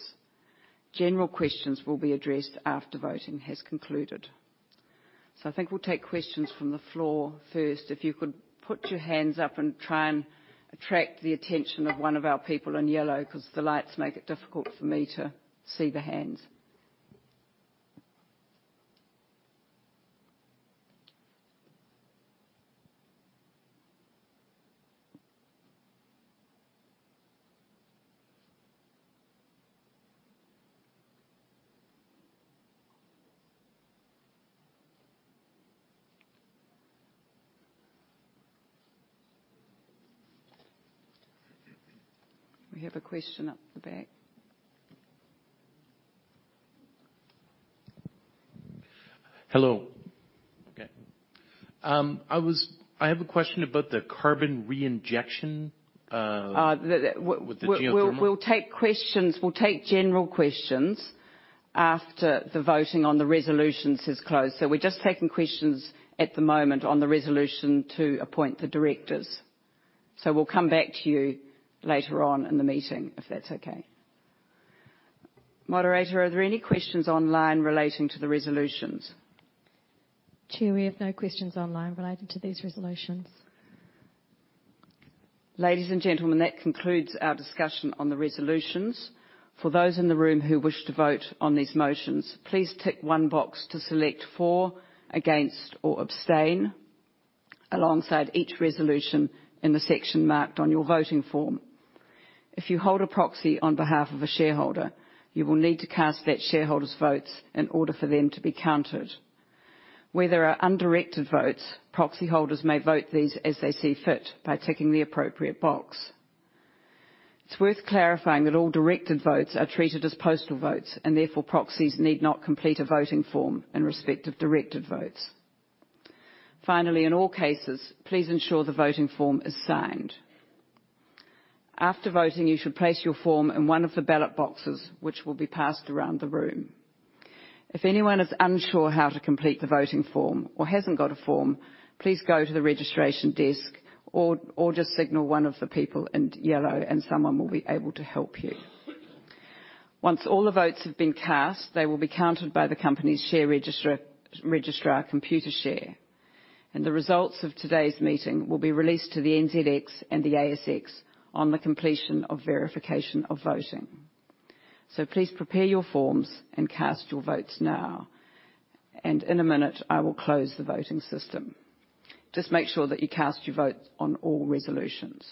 General questions will be addressed after voting has concluded. I think we'll take questions from the floor first. If you could put your hands up and try and attract the attention of one of our people in yellow, 'cause the lights make it difficult for me to see the hands. We have a question at the back. Hello. Okay. I have a question about the carbon reinjection, Uh, the- With the geothermal- We'll take questions, we'll take general questions after the voting on the resolutions is closed. We're just taking questions at the moment on the resolution to appoint the directors. We'll come back to you later on in the meeting if that's okay. Moderator, are there any questions online relating to the resolutions? Chair, we have no questions online related to these resolutions. Ladies and gentlemen, that concludes our discussion on the resolutions. For those in the room who wish to vote on these motions, please tick one box to select for, against or abstain alongside each resolution in the section marked on your voting form. If you hold a proxy on behalf of a shareholder, you will need to cast that shareholder's votes in order for them to be counted. Where there are undirected votes, proxy holders may vote these as they see fit by ticking the appropriate box. It's worth clarifying that all directed votes are treated as postal votes, and therefore proxies need not complete a voting form in respect of directed votes. Finally, in all cases, please ensure the voting form is signed. After voting, you should place your form in one of the ballot boxes which will be passed around the room. If anyone is unsure how to complete the voting form or hasn't got a form, please go to the registration desk or just signal one of the people in yellow and someone will be able to help you. Once all the votes have been cast, they will be counted by the company's share registrar, Computershare. The results of today's meeting will be released to the NZX and the ASX on the completion of verification of voting. Please prepare your forms and cast your votes now. In a minute, I will close the voting system. Just make sure that you cast your votes on all resolutions.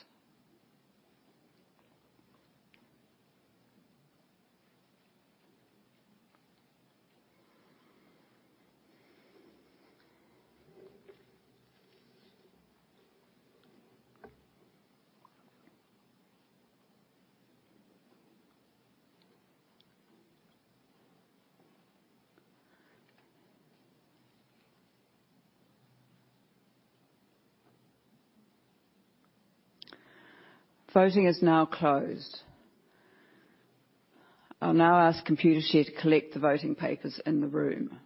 Voting is now closed. I'll now ask Computershare to collect the voting papers in the room.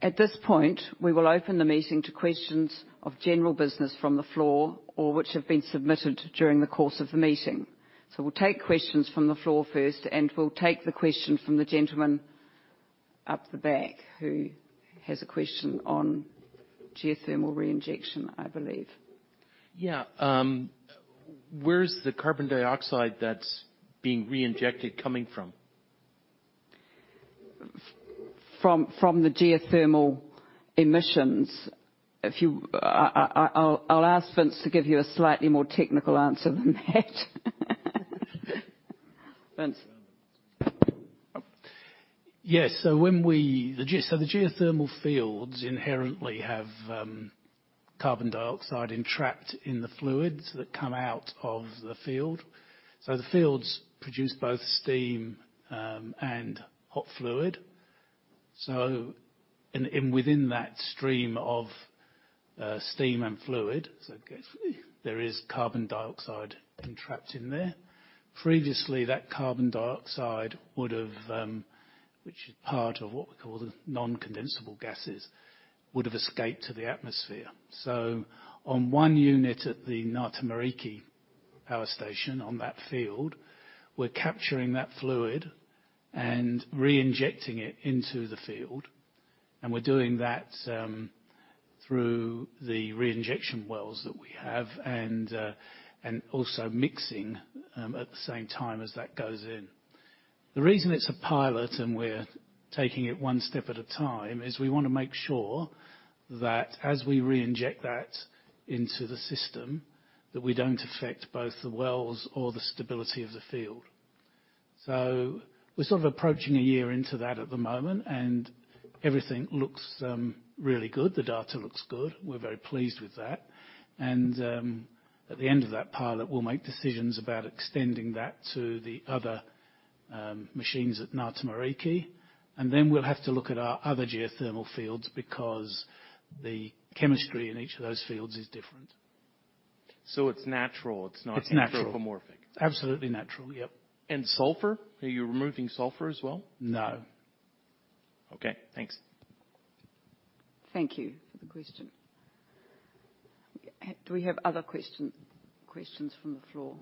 At this point, we will open the meeting to questions of general business from the floor or which have been submitted during the course of the meeting. We'll take questions from the floor first, and we'll take the question from the gentleman up the back who has a question on geothermal reinjection, I believe. Yeah, where is the carbon dioxide that's being reinjected coming from? From the geothermal emissions. I'll ask Vince to give you a slightly more technical answer than that. Vince. Yes. The geothermal fields inherently have carbon dioxide entrapped in the fluids that come out of the field. The fields produce both steam and hot fluid. Within that stream of steam and fluid, there is carbon dioxide entrapped in there. Previously, that carbon dioxide would've, which is part of what we call the non-condensable gases, would have escaped to the atmosphere. On one unit at the Ngā Tamariki Power Station on that field, we're capturing that fluid and reinjecting it into the field, and we're doing that through the reinjection wells that we have and also mixing at the same time as that goes in. The reason it's a pilot and we're taking it one step at a time is we wanna make sure that as we reinject that into the system, that we don't affect both the wells or the stability of the field. We're sort of approaching a year into that at the moment, and everything looks really good. The data looks good. We're very pleased with that. At the end of that pilot, we'll make decisions about extending that to the other machines at Ngā Tamariki. We'll have to look at our other geothermal fields because the chemistry in each of those fields is different. It's natural. It's natural. Absolutely natural. Yep. Sulfur? Are you removing sulfur as well? No. Okay. Thanks. Thank you for the question. Do we have other questions from the floor?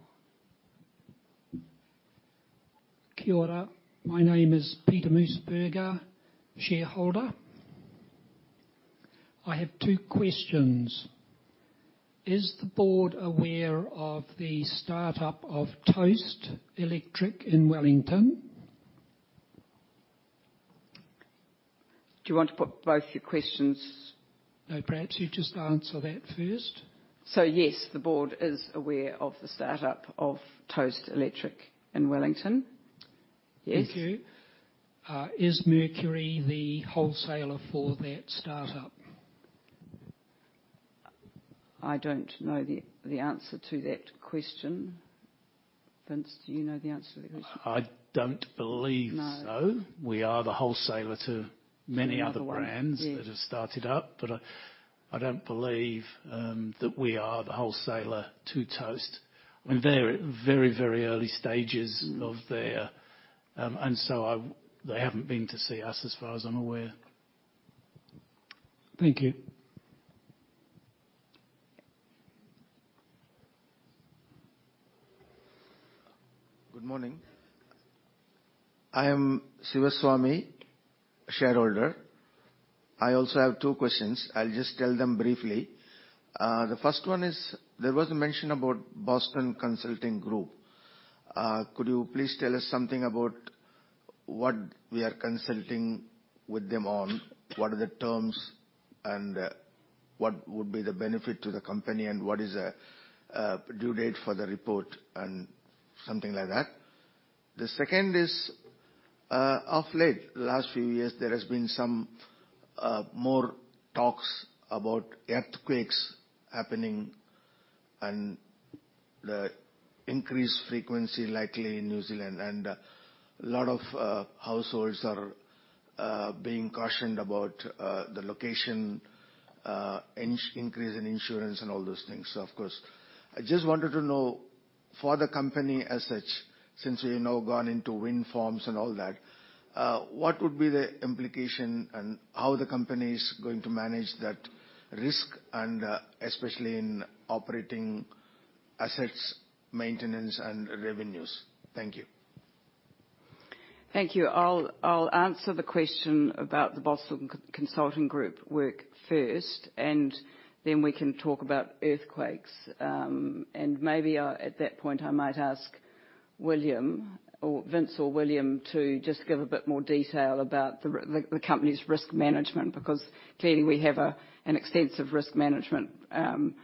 Kia ora. My name is Peter Mussburger, Shareholder. I have two questions. Is the board aware of the startup of Toast Electric in Wellington? Do you want to put both your questions? No, perhaps you just answer that first. Yes, the board is aware of the startup of Toast Electric in Wellington. Yes. Thank you. Is Mercury the wholesaler for that startup? I don't know the answer to that question. Vince, do you know the answer to that question? I don't believe so. No. We are the wholesaler. Many other ones. Many other brands. Yes That have started up, but I don't believe that we are the wholesaler to Toast. They're at very, very early stages of their. They haven't been to see us, as far as I'm aware. Thank you. Good morning. I am Sivaswamy, shareholder. I also have two questions. I'll just tell them briefly. The first one is, there was mention about Boston Consulting Group. Could you please tell us something about what we are consulting with them on, what are the terms and what would be the benefit to the company, and what is the due date for the report and something like that? The second is, of late, last few years, there has been some more talks about earthquakes happening and the increased frequency likely in New Zealand, and a lot of households are being cautioned about the location, increase in insurance and all those things. So of course. I just wanted to know, for the company as such, since we, you know, gone into wind farms and all that, what would be the implication and how the company is going to manage that risk, and especially in operating assets, maintenance and revenues. Thank you. Thank you. I'll answer the question about the Boston Consulting Group work first, and then we can talk about earthquakes. Maybe at that point, I might ask William or Vince to just give a bit more detail about the company's risk management, because clearly we have an extensive risk management framework,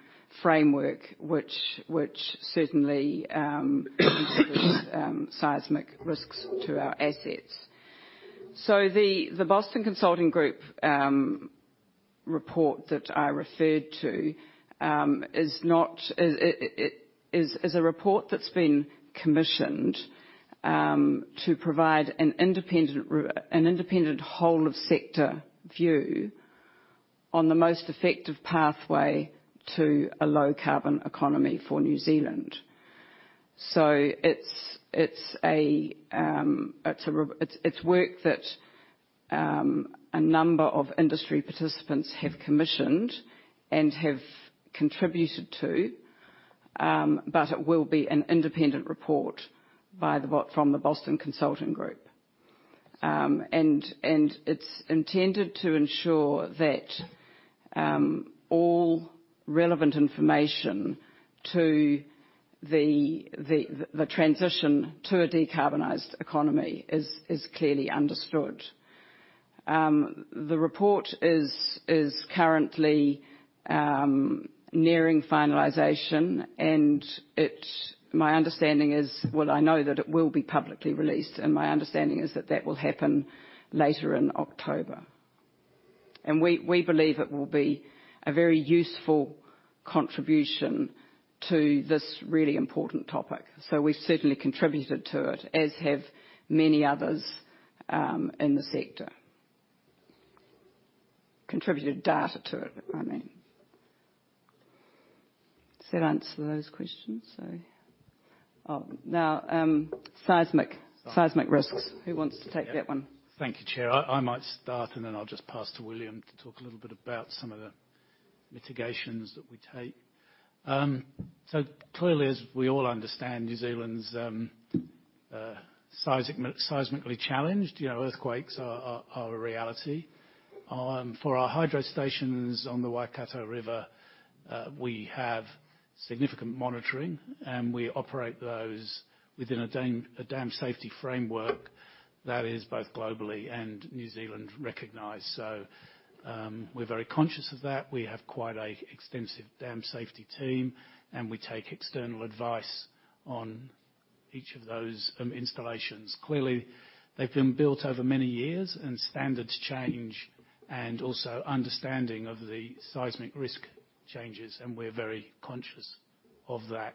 which certainly considers seismic risks to our assets. The Boston Consulting Group report that I referred to is a report that's been commissioned to provide an independent whole of sector view on the most effective pathway to a low carbon economy for New Zealand. It's work that a number of industry participants have commissioned and have contributed to, but it will be an independent report from the Boston Consulting Group. It's intended to ensure that all relevant information to the transition to a decarbonized economy is clearly understood. The report is currently nearing finalization. Well, I know that it will be publicly released, and my understanding is that that will happen later in October. We believe it will be a very useful contribution to this really important topic. We've certainly contributed to it, as have many others in the sector. Contributed data to it, I mean. Does that answer those questions? Seismic risks. Who wants to take that one? Thank you, Chair. I might start, and then I'll just pass to William to talk a little bit about some of the mitigations that we take. Clearly, as we all understand, New Zealand's seismically challenged. You know, earthquakes are a reality. For our hydro stations on the Waikato River, we have significant monitoring, and we operate those within a dam safety framework that is both globally and New Zealand recognized. We're very conscious of that. We have quite an extensive dam safety team, and we take external advice on each of those installations. Clearly, they've been built over many years and standards change and also understanding of the seismic risk changes, and we're very conscious of that.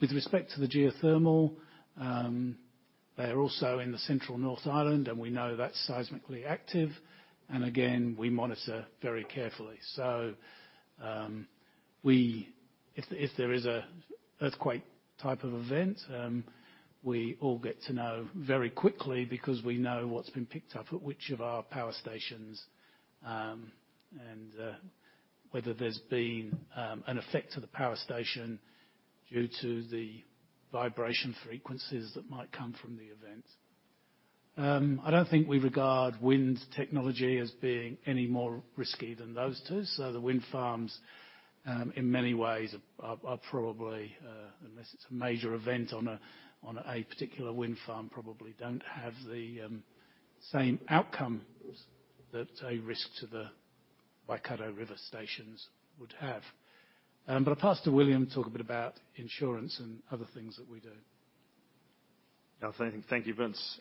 With respect to the geothermal, they're also in the central North Island, and we know that's seismically active. Again, we monitor very carefully. If there is an earthquake type of event, we all get to know very quickly because we know what's been picked up at which of our power stations. Whether there's been an effect to the power station due to the vibration frequencies that might come from the event. I don't think we regard wind technology as being any more risky than those two. The wind farms in many ways are probably, unless it's a major event on a particular wind farm, probably don't have the same outcome that a risk to the Waikato River stations would have. I'll pass to William Meek to talk a bit about insurance and other things that we do. Yeah. Thank you, Vince.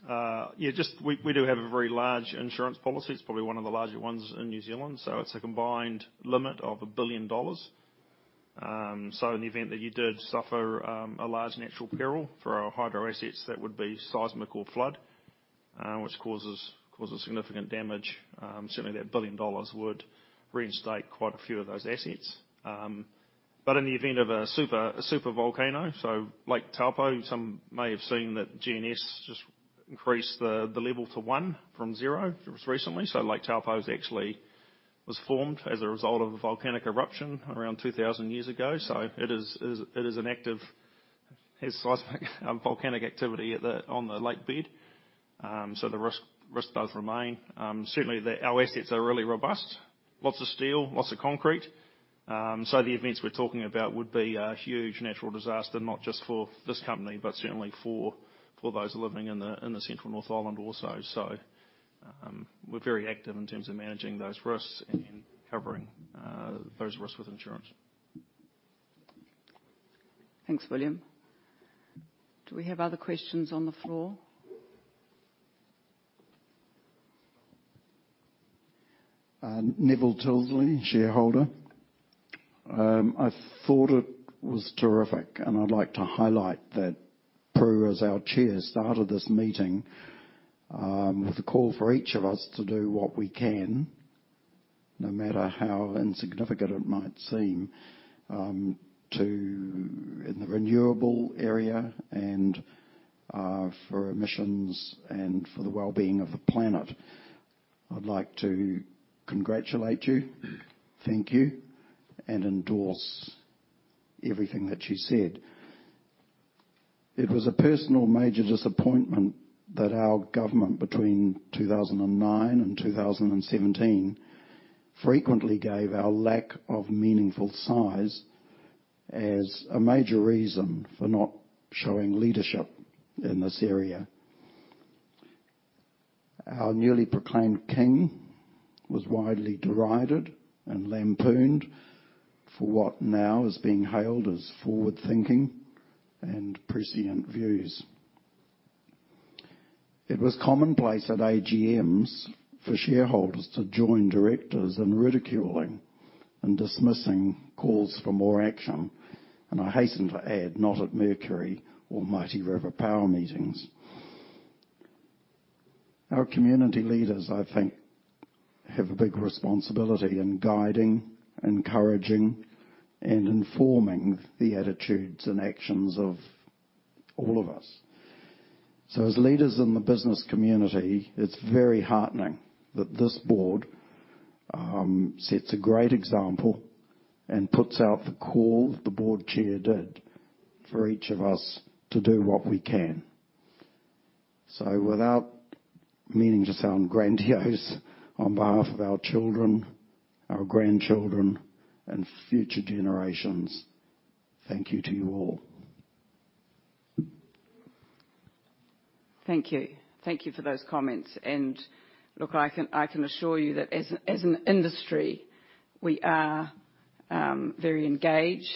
We do have a very large insurance policy. It's probably one of the larger ones in New Zealand, so it's a combined limit of 1 billion dollars. In the event that you did suffer a large natural peril for our hydro assets, that would be seismic or flood, which causes significant damage. Certainly that 1 billion dollars would reinstate quite a few of those assets. In the event of a super volcano, Lake Taupō, some may have seen that GNS just increased the level to 1 from 0 just recently. Lake Taupō actually was formed as a result of a volcanic eruption around 2000 years ago. It is active, has seismic volcanic activity on the lake bed. The risk does remain. Certainly our assets are really robust. Lots of steel, lots of concrete. The events we're talking about would be a huge natural disaster, not just for this company, but certainly for those living in the central North Island also. We're very active in terms of managing those risks and covering those risks with insurance. Thanks, William. Do we have other questions on the floor? Neville Tilsley, shareholder. I thought it was terrific, and I'd like to highlight that Prue, as our Chair, started this meeting with a call for each of us to do what we can, no matter how insignificant it might seem, to in the renewable area and for emissions and for the wellbeing of the planet. I'd like to congratulate you, thank you, and endorse everything that you said. It was a personal major disappointment that our government between 2009 and 2017 frequently gave our lack of meaningful size as a major reason for not showing leadership in this area. Our newly proclaimed king was widely derided and lampooned for what now is being hailed as forward-thinking and prescient views. It was commonplace at AGMs for shareholders to join directors in ridiculing and dismissing calls for more action, and I hasten to add, not at Mercury or Mighty River Power meetings. Our community leaders, I think, have a big responsibility in guiding, encouraging, and informing the attitudes and actions of all of us. As leaders in the business community, it's very heartening that this board sets a great example and puts out the call the board chair did for each of us to do what we can. Without meaning to sound grandiose, on behalf of our children, our grandchildren, and future generations, thank you to you all. Thank you. Thank you for those comments. Look, I can assure you that as an industry, we are very engaged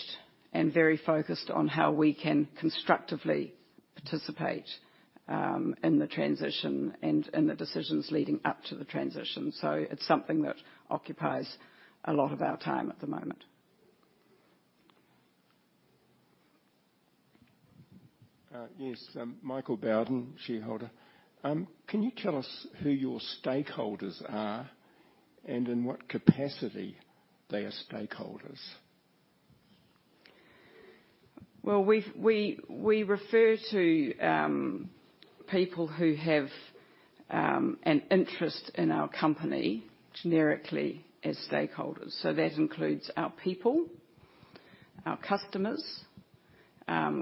and very focused on how we can constructively participate in the transition and in the decisions leading up to the transition. It's something that occupies a lot of our time at the moment. Michael Bowden, shareholder. Can you tell us who your stakeholders are and in what capacity they are stakeholders Well, we refer to people who have an interest in our company generically as stakeholders. That includes our people, our customers.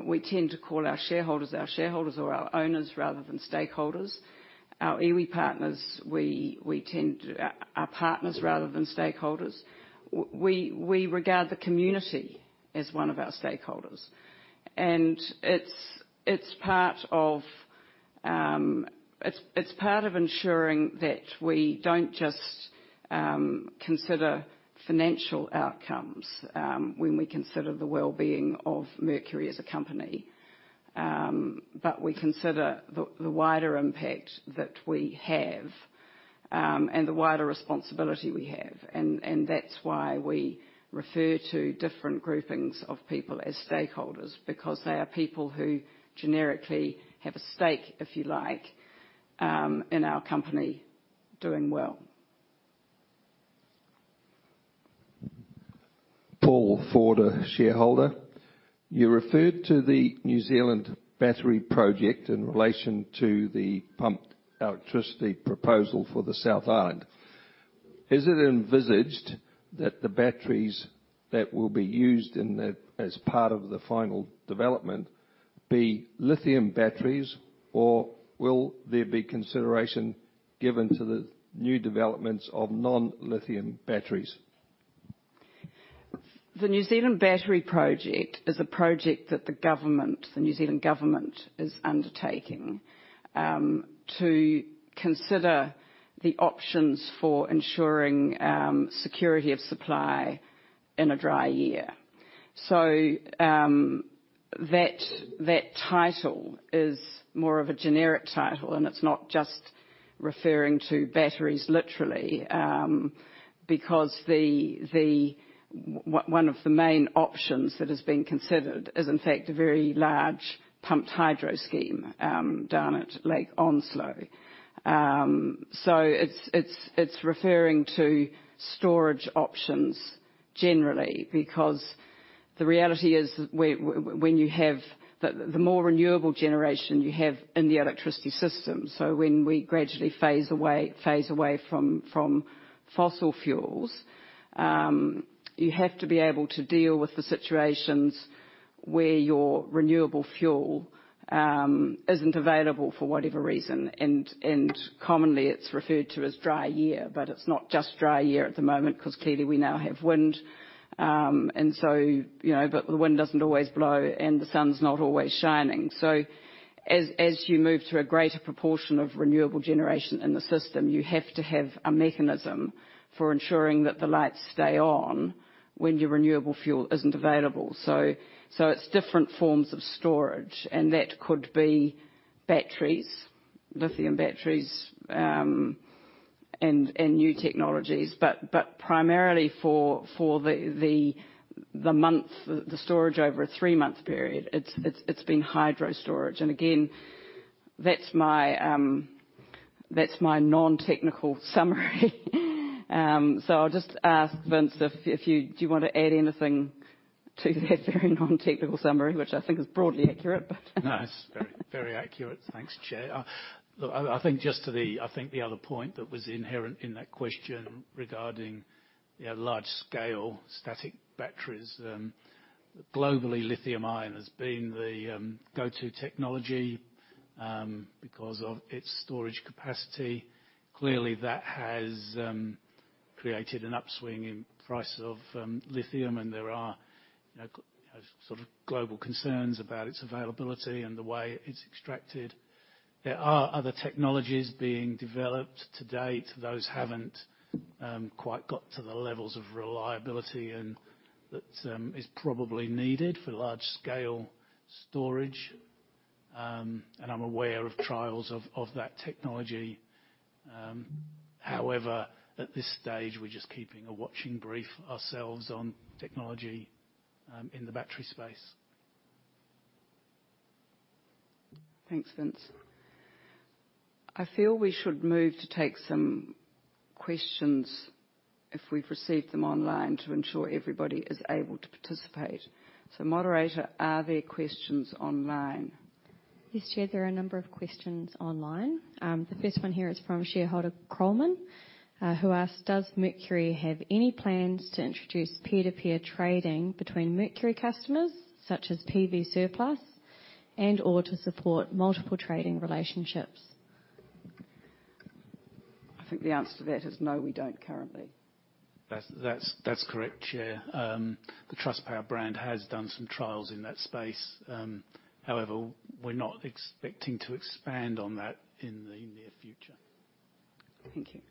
We tend to call our shareholders or our owners rather than stakeholders. Our iwi partners, we tend to call our partners rather than stakeholders. We regard the community as one of our stakeholders. It's part of ensuring that we don't just consider financial outcomes when we consider the wellbeing of Mercury as a company. We consider the wider impact that we have and the wider responsibility we have. That's why we refer to different groupings of people as stakeholders, because they are people who generically have a stake, if you like, in our company doing well. Paul Ford, shareholder. You referred to the New Zealand Battery Project in relation to the pumped electricity proposal for the South Island. Is it envisaged that the batteries that will be used as part of the final development be lithium batteries, or will there be consideration given to the new developments of non-lithium batteries? The New Zealand Battery Project is a project that the government, the New Zealand government is undertaking, to consider the options for ensuring, security of supply in a dry year. That title is more of a generic title, and it's not just referring to batteries literally, because one of the main options that is being considered is, in fact, a very large pumped hydro scheme, down at Lake Onslow. It's referring to storage options generally, because the reality is when you have the more renewable generation you have in the electricity system, so when we gradually phase away from fossil fuels, you have to be able to deal with the situations where your renewable fuel isn't available for whatever reason, and commonly it's referred to as dry year, but it's not just dry year at the moment 'cause clearly we now have wind. And so, you know, but the wind doesn't always blow, and the sun's not always shining. As you move to a greater proportion of renewable generation in the system, you have to have a mechanism for ensuring that the lights stay on when your renewable fuel isn't available. It's different forms of storage, and that could be batteries, lithium batteries, and new technologies, but primarily for the storage over a three-month period, it's been hydro storage. Again, that's my non-technical summary. I'll just ask Vince if you wanna add anything to that very non-technical summary, which I think is broadly accurate, but. No, it's very, very accurate. Thanks, Chair. I think the other point that was inherent in that question regarding, yeah, large scale static batteries. Globally, lithium-ion has been the go-to technology because of its storage capacity. Clearly, that has created an upswing in price of lithium, and there are, you know, sort of global concerns about its availability and the way it's extracted. There are other technologies being developed. To date, those haven't quite got to the levels of reliability and that is probably needed for large scale storage. I'm aware of trials of that technology. However, at this stage, we're just keeping a watching brief ourselves on technology in the battery space. Thanks, Vince. I feel we should move to take some questions if we've received them online to ensure everybody is able to participate. Moderator, are there questions online? Yes, Chair, there are a number of questions online. The first one here is from shareholder Coleman, who asks, "Does Mercury have any plans to introduce peer-to-peer trading between Mercury customers, such as PV surplus and/or to support multiple trading relationships? I think the answer to that is no, we don't currently. That's correct, Chair. The Trustpower brand has done some trials in that space. However, we're not expecting to expand on that in the near future. Thank you.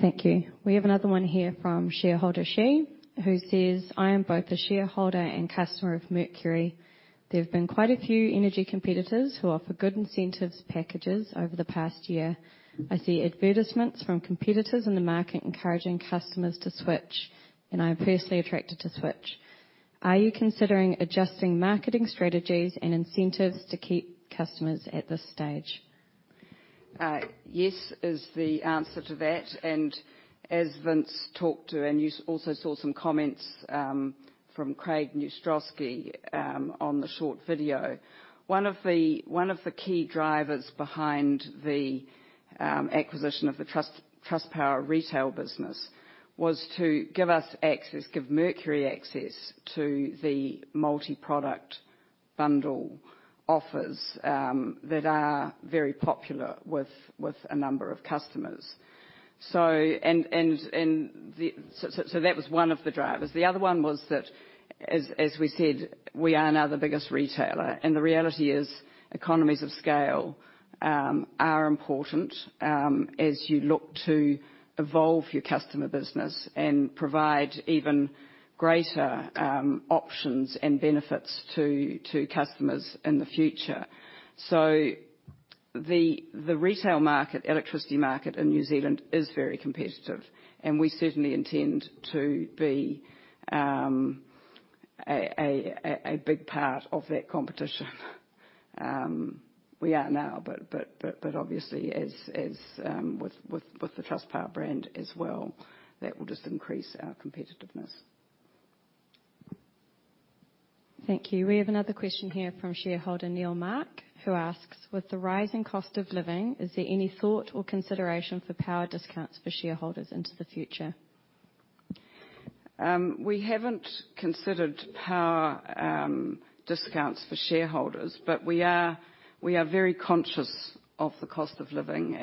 Thank you. We have another one here from shareholder Shih, who says, "I am both a shareholder and customer of Mercury. There have been quite a few energy competitors who offer good incentives packages over the past year. I see advertisements from competitors in the market encouraging customers to switch, and I am personally attracted to switch. Are you considering adjusting marketing strategies and incentives to keep customers at this stage? Yes is the answer to that. As Vince talked to and you also saw some comments from Craig Neustroski on the short video, one of the key drivers behind the acquisition of the Trustpower retail business was to give us access, give Mercury access to the multi-product bundle offers that are very popular with a number of customers. So that was one of the drivers. The other one was that, as we said, we are now the biggest retailer, and the reality is economies of scale are important as you look to evolve your customer business and provide even greater options and benefits to customers in the future. The retail market, electricity market in New Zealand is very competitive, and we certainly intend to be a big part of that competition. We are now, but obviously as with the Trustpower brand as well, that will just increase our competitiveness. Thank you. We have another question here from shareholder Neil Mark, who asks: With the rising cost of living, is there any thought or consideration for power discounts for shareholders into the future? We haven't considered power discounts for shareholders, but we are very conscious of the cost of living.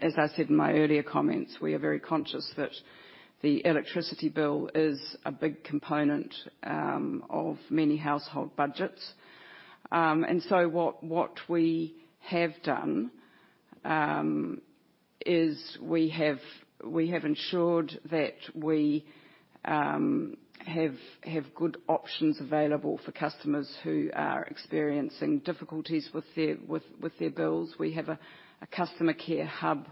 As I said in my earlier comments, we are very conscious that the electricity bill is a big component of many household budgets. What we have done is we have ensured that we have good options available for customers who are experiencing difficulties with their bills. We have a customer care hub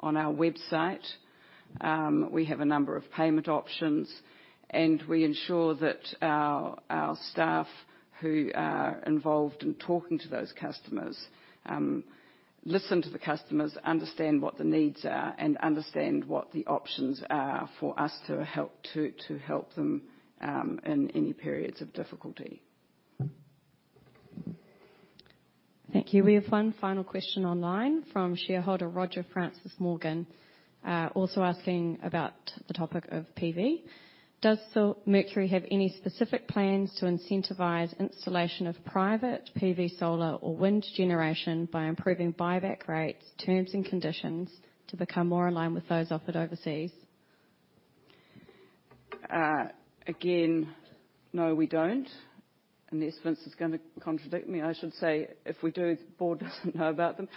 on our website. We have a number of payment options, and we ensure that our staff who are involved in talking to those customers listen to the customers, understand what the needs are, and understand what the options are for us to help them in any periods of difficulty. Thank you. We have one final question online from shareholder Roger Francis Morgan. Also asking about the topic of PV. Does the Mercury have any specific plans to incentivize installation of private PV solar or wind generation by improving buyback rates, terms, and conditions to become more in line with those offered overseas? Again, no, we don't, unless Vince is gonna contradict me. I should say if we do, the board doesn't know about them.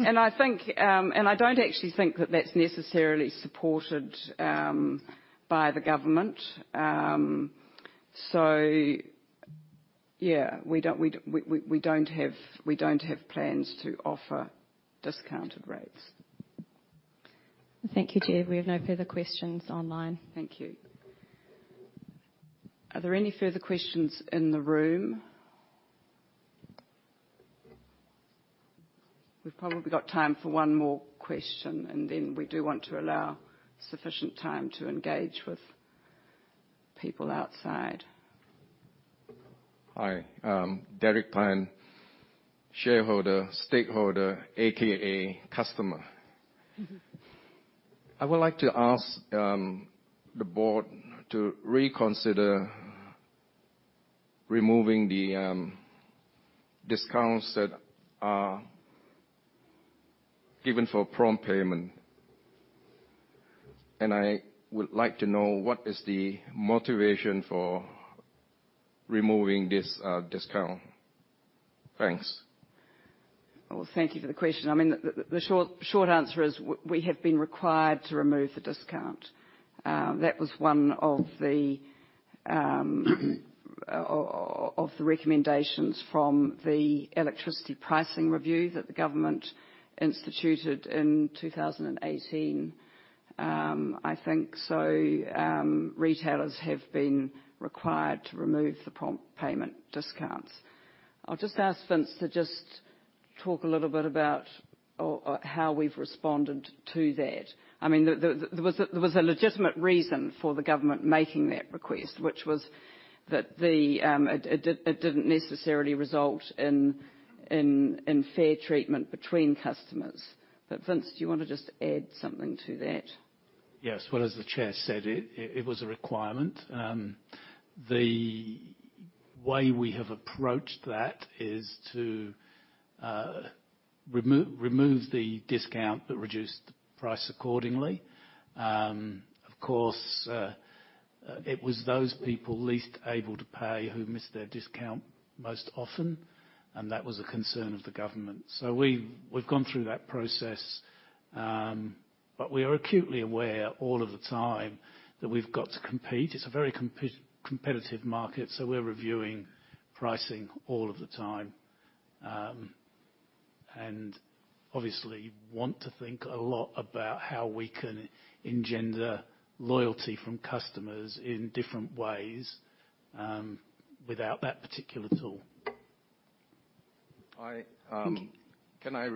I don't actually think that that's necessarily supported by the government. Yeah, we don't have plans to offer discounted rates. Thank you, Chair. We have no further questions online. Thank you. Are there any further questions in the room? We've probably got time for one more question, and then we do want to allow sufficient time to engage with people outside. Hi. I'm Derek Clan, shareholder, stakeholder, AKA customer. I would like to ask the board to reconsider removing the discounts that are given for prompt payment. I would like to know what is the motivation for removing this discount. Thanks. Thank you for the question. I mean, the short answer is we have been required to remove the discount. That was one of the recommendations from the Electricity Price Review that the government instituted in 2018. I think so, retailers have been required to remove the prompt payment discounts. I'll just ask Vince to just talk a little bit about how we've responded to that. I mean, there was a legitimate reason for the government making that request, which was that it didn't necessarily result in fair treatment between customers. Vince, do you wanna just add something to that? Yes. Well, as the Chair said, it was a requirement. The way we have approached that is to remove the discount but reduce the price accordingly. Of course, it was those people least able to pay who missed their discount most often, and that was a concern of the government. We've gone through that process, but we are acutely aware all of the time that we've got to compete. It's a very competitive market, so we're reviewing pricing all of the time. Obviously want to think a lot about how we can engender loyalty from customers in different ways, without that particular tool. I, um- Mm-hmm. Can I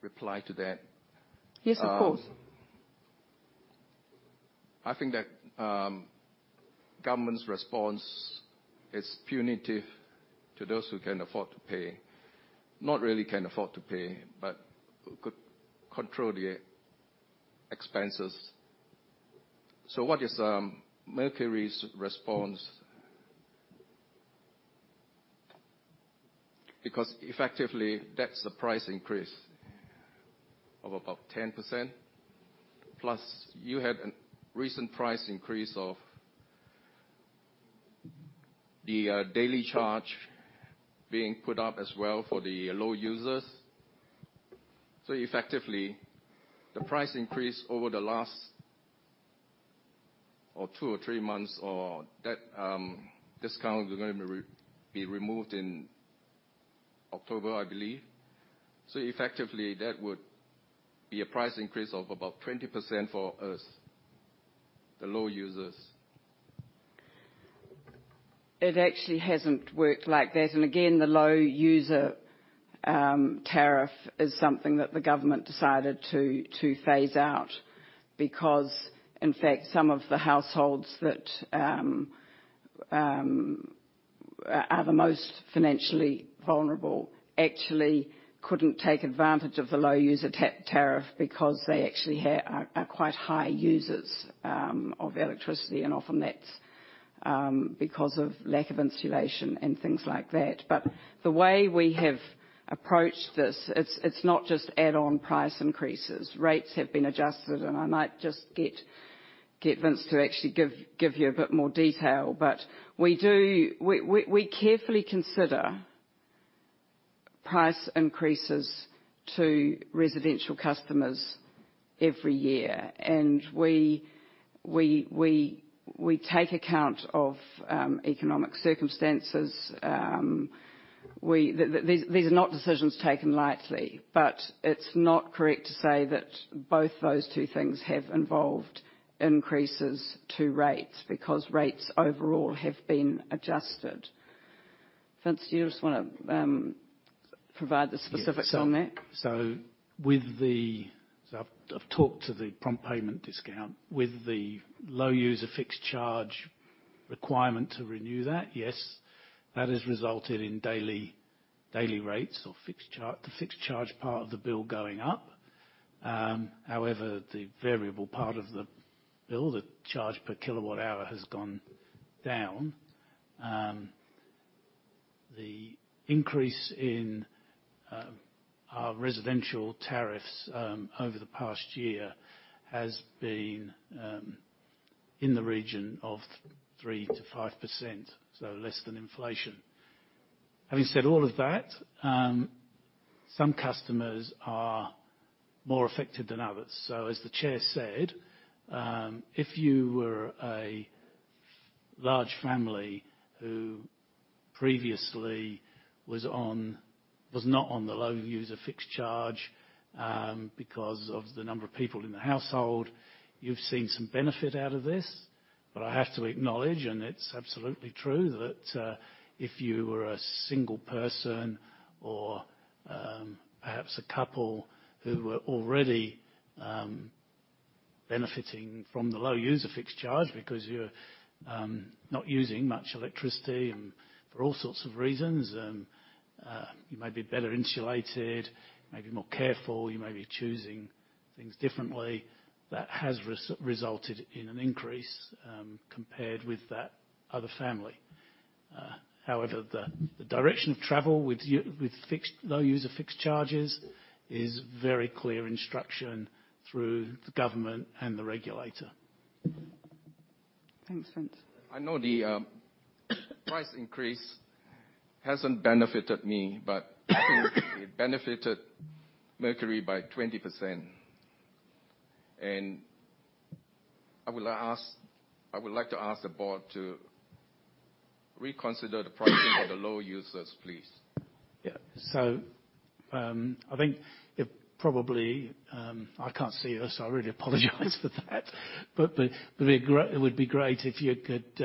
reply to that? Yes, of course. I think that government's response is punitive to those who can afford to pay. Not really can afford to pay, but could control their expenses. What is Mercury's response? Because effectively, that's a price increase of about 10%, plus you had a recent price increase of the daily charge being put up as well for the low users. Effectively, the price increase over the last or two or three months or that discount going to be removed in October, I believe. Effectively, that would be a price increase of about 20% for us, the low users. It actually hasn't worked like that. Again, the low user tariff is something that the government decided to phase out because in fact, some of the households that are the most financially vulnerable actually couldn't take advantage of the low user tariff because they actually are quite high users of electricity and often that's because of lack of insulation and things like that. The way we have approached this, it's not just add-on price increases. Rates have been adjusted, and I might just get Vince to actually give you a bit more detail. We do. We carefully consider price increases to residential customers every year. We take account of economic circumstances. These are not decisions taken lightly. It's not correct to say that both those two things have involved increases to rates, because rates overall have been adjusted. Vince, do you just wanna provide the specifics on that? Yeah. I've talked to the prompt payment discount. With the low user fixed charge requirement to renew that, yes, that has resulted in daily rates or the fixed charge part of the bill going up. However, the variable part of the bill, the charge per kilowatt hour, has gone down. The increase in our residential tariffs over the past year has been in the region of 3%-5%, so less than inflation. Having said all of that, some customers are more affected than others. As the chair said, if you were a large family who previously was not on the low user fixed charge because of the number of people in the household, you've seen some benefit out of this. I have to acknowledge, and it's absolutely true that, if you were a single person or, perhaps a couple who were already benefiting from the low user fixed charge because you're not using much electricity and for all sorts of reasons, you may be better insulated, you may be more careful, you may be choosing things differently, that has resulted in an increase compared with that other family. However, the direction of travel with fixed, low user fixed charges is very clear instruction through the government and the regulator. Thanks, Vince. I know the price increase hasn't benefited me, but it benefited Mercury by 20%. I would like to ask the board to reconsider the pricing for the low users, please. Yeah. I think it probably I can't see you, so I really apologize for that. It would be great if you could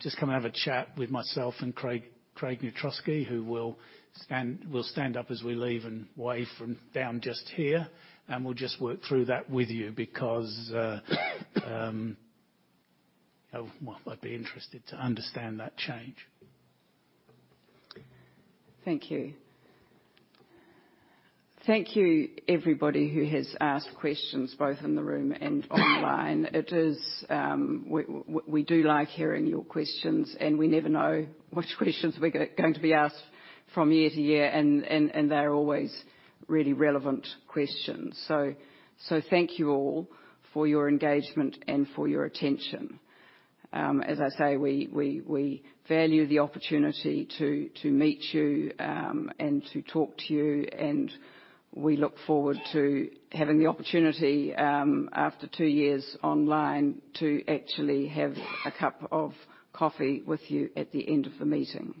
just come have a chat with myself and Craig Neustroski, who will stand up as we leave and wave from down just here. We'll just work through that with you because you know, well, I'd be interested to understand that change. Thank you. Thank you, everybody who has asked questions both in the room and online. It is. We do like hearing your questions, and we never know which questions we're going to be asked from year-to-year, and they're always really relevant questions. Thank you all for your engagement and for your attention. As I say, we value the opportunity to meet you and to talk to you, and we look forward to having the opportunity, after two years online, to actually have a cup of coffee with you at the end of the meeting.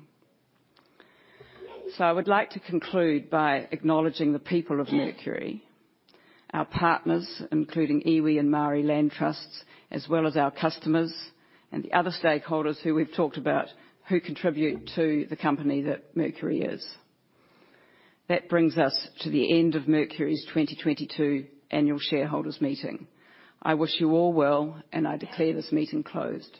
I would like to conclude by acknowledging the people of Mercury, our partners, including iwi and Māori land trusts, as well as our customers and the other stakeholders who we've talked about who contribute to the company that Mercury is. That brings us to the end of Mercury's 2022 annual shareholders meeting. I wish you all well, and I declare this meeting closed.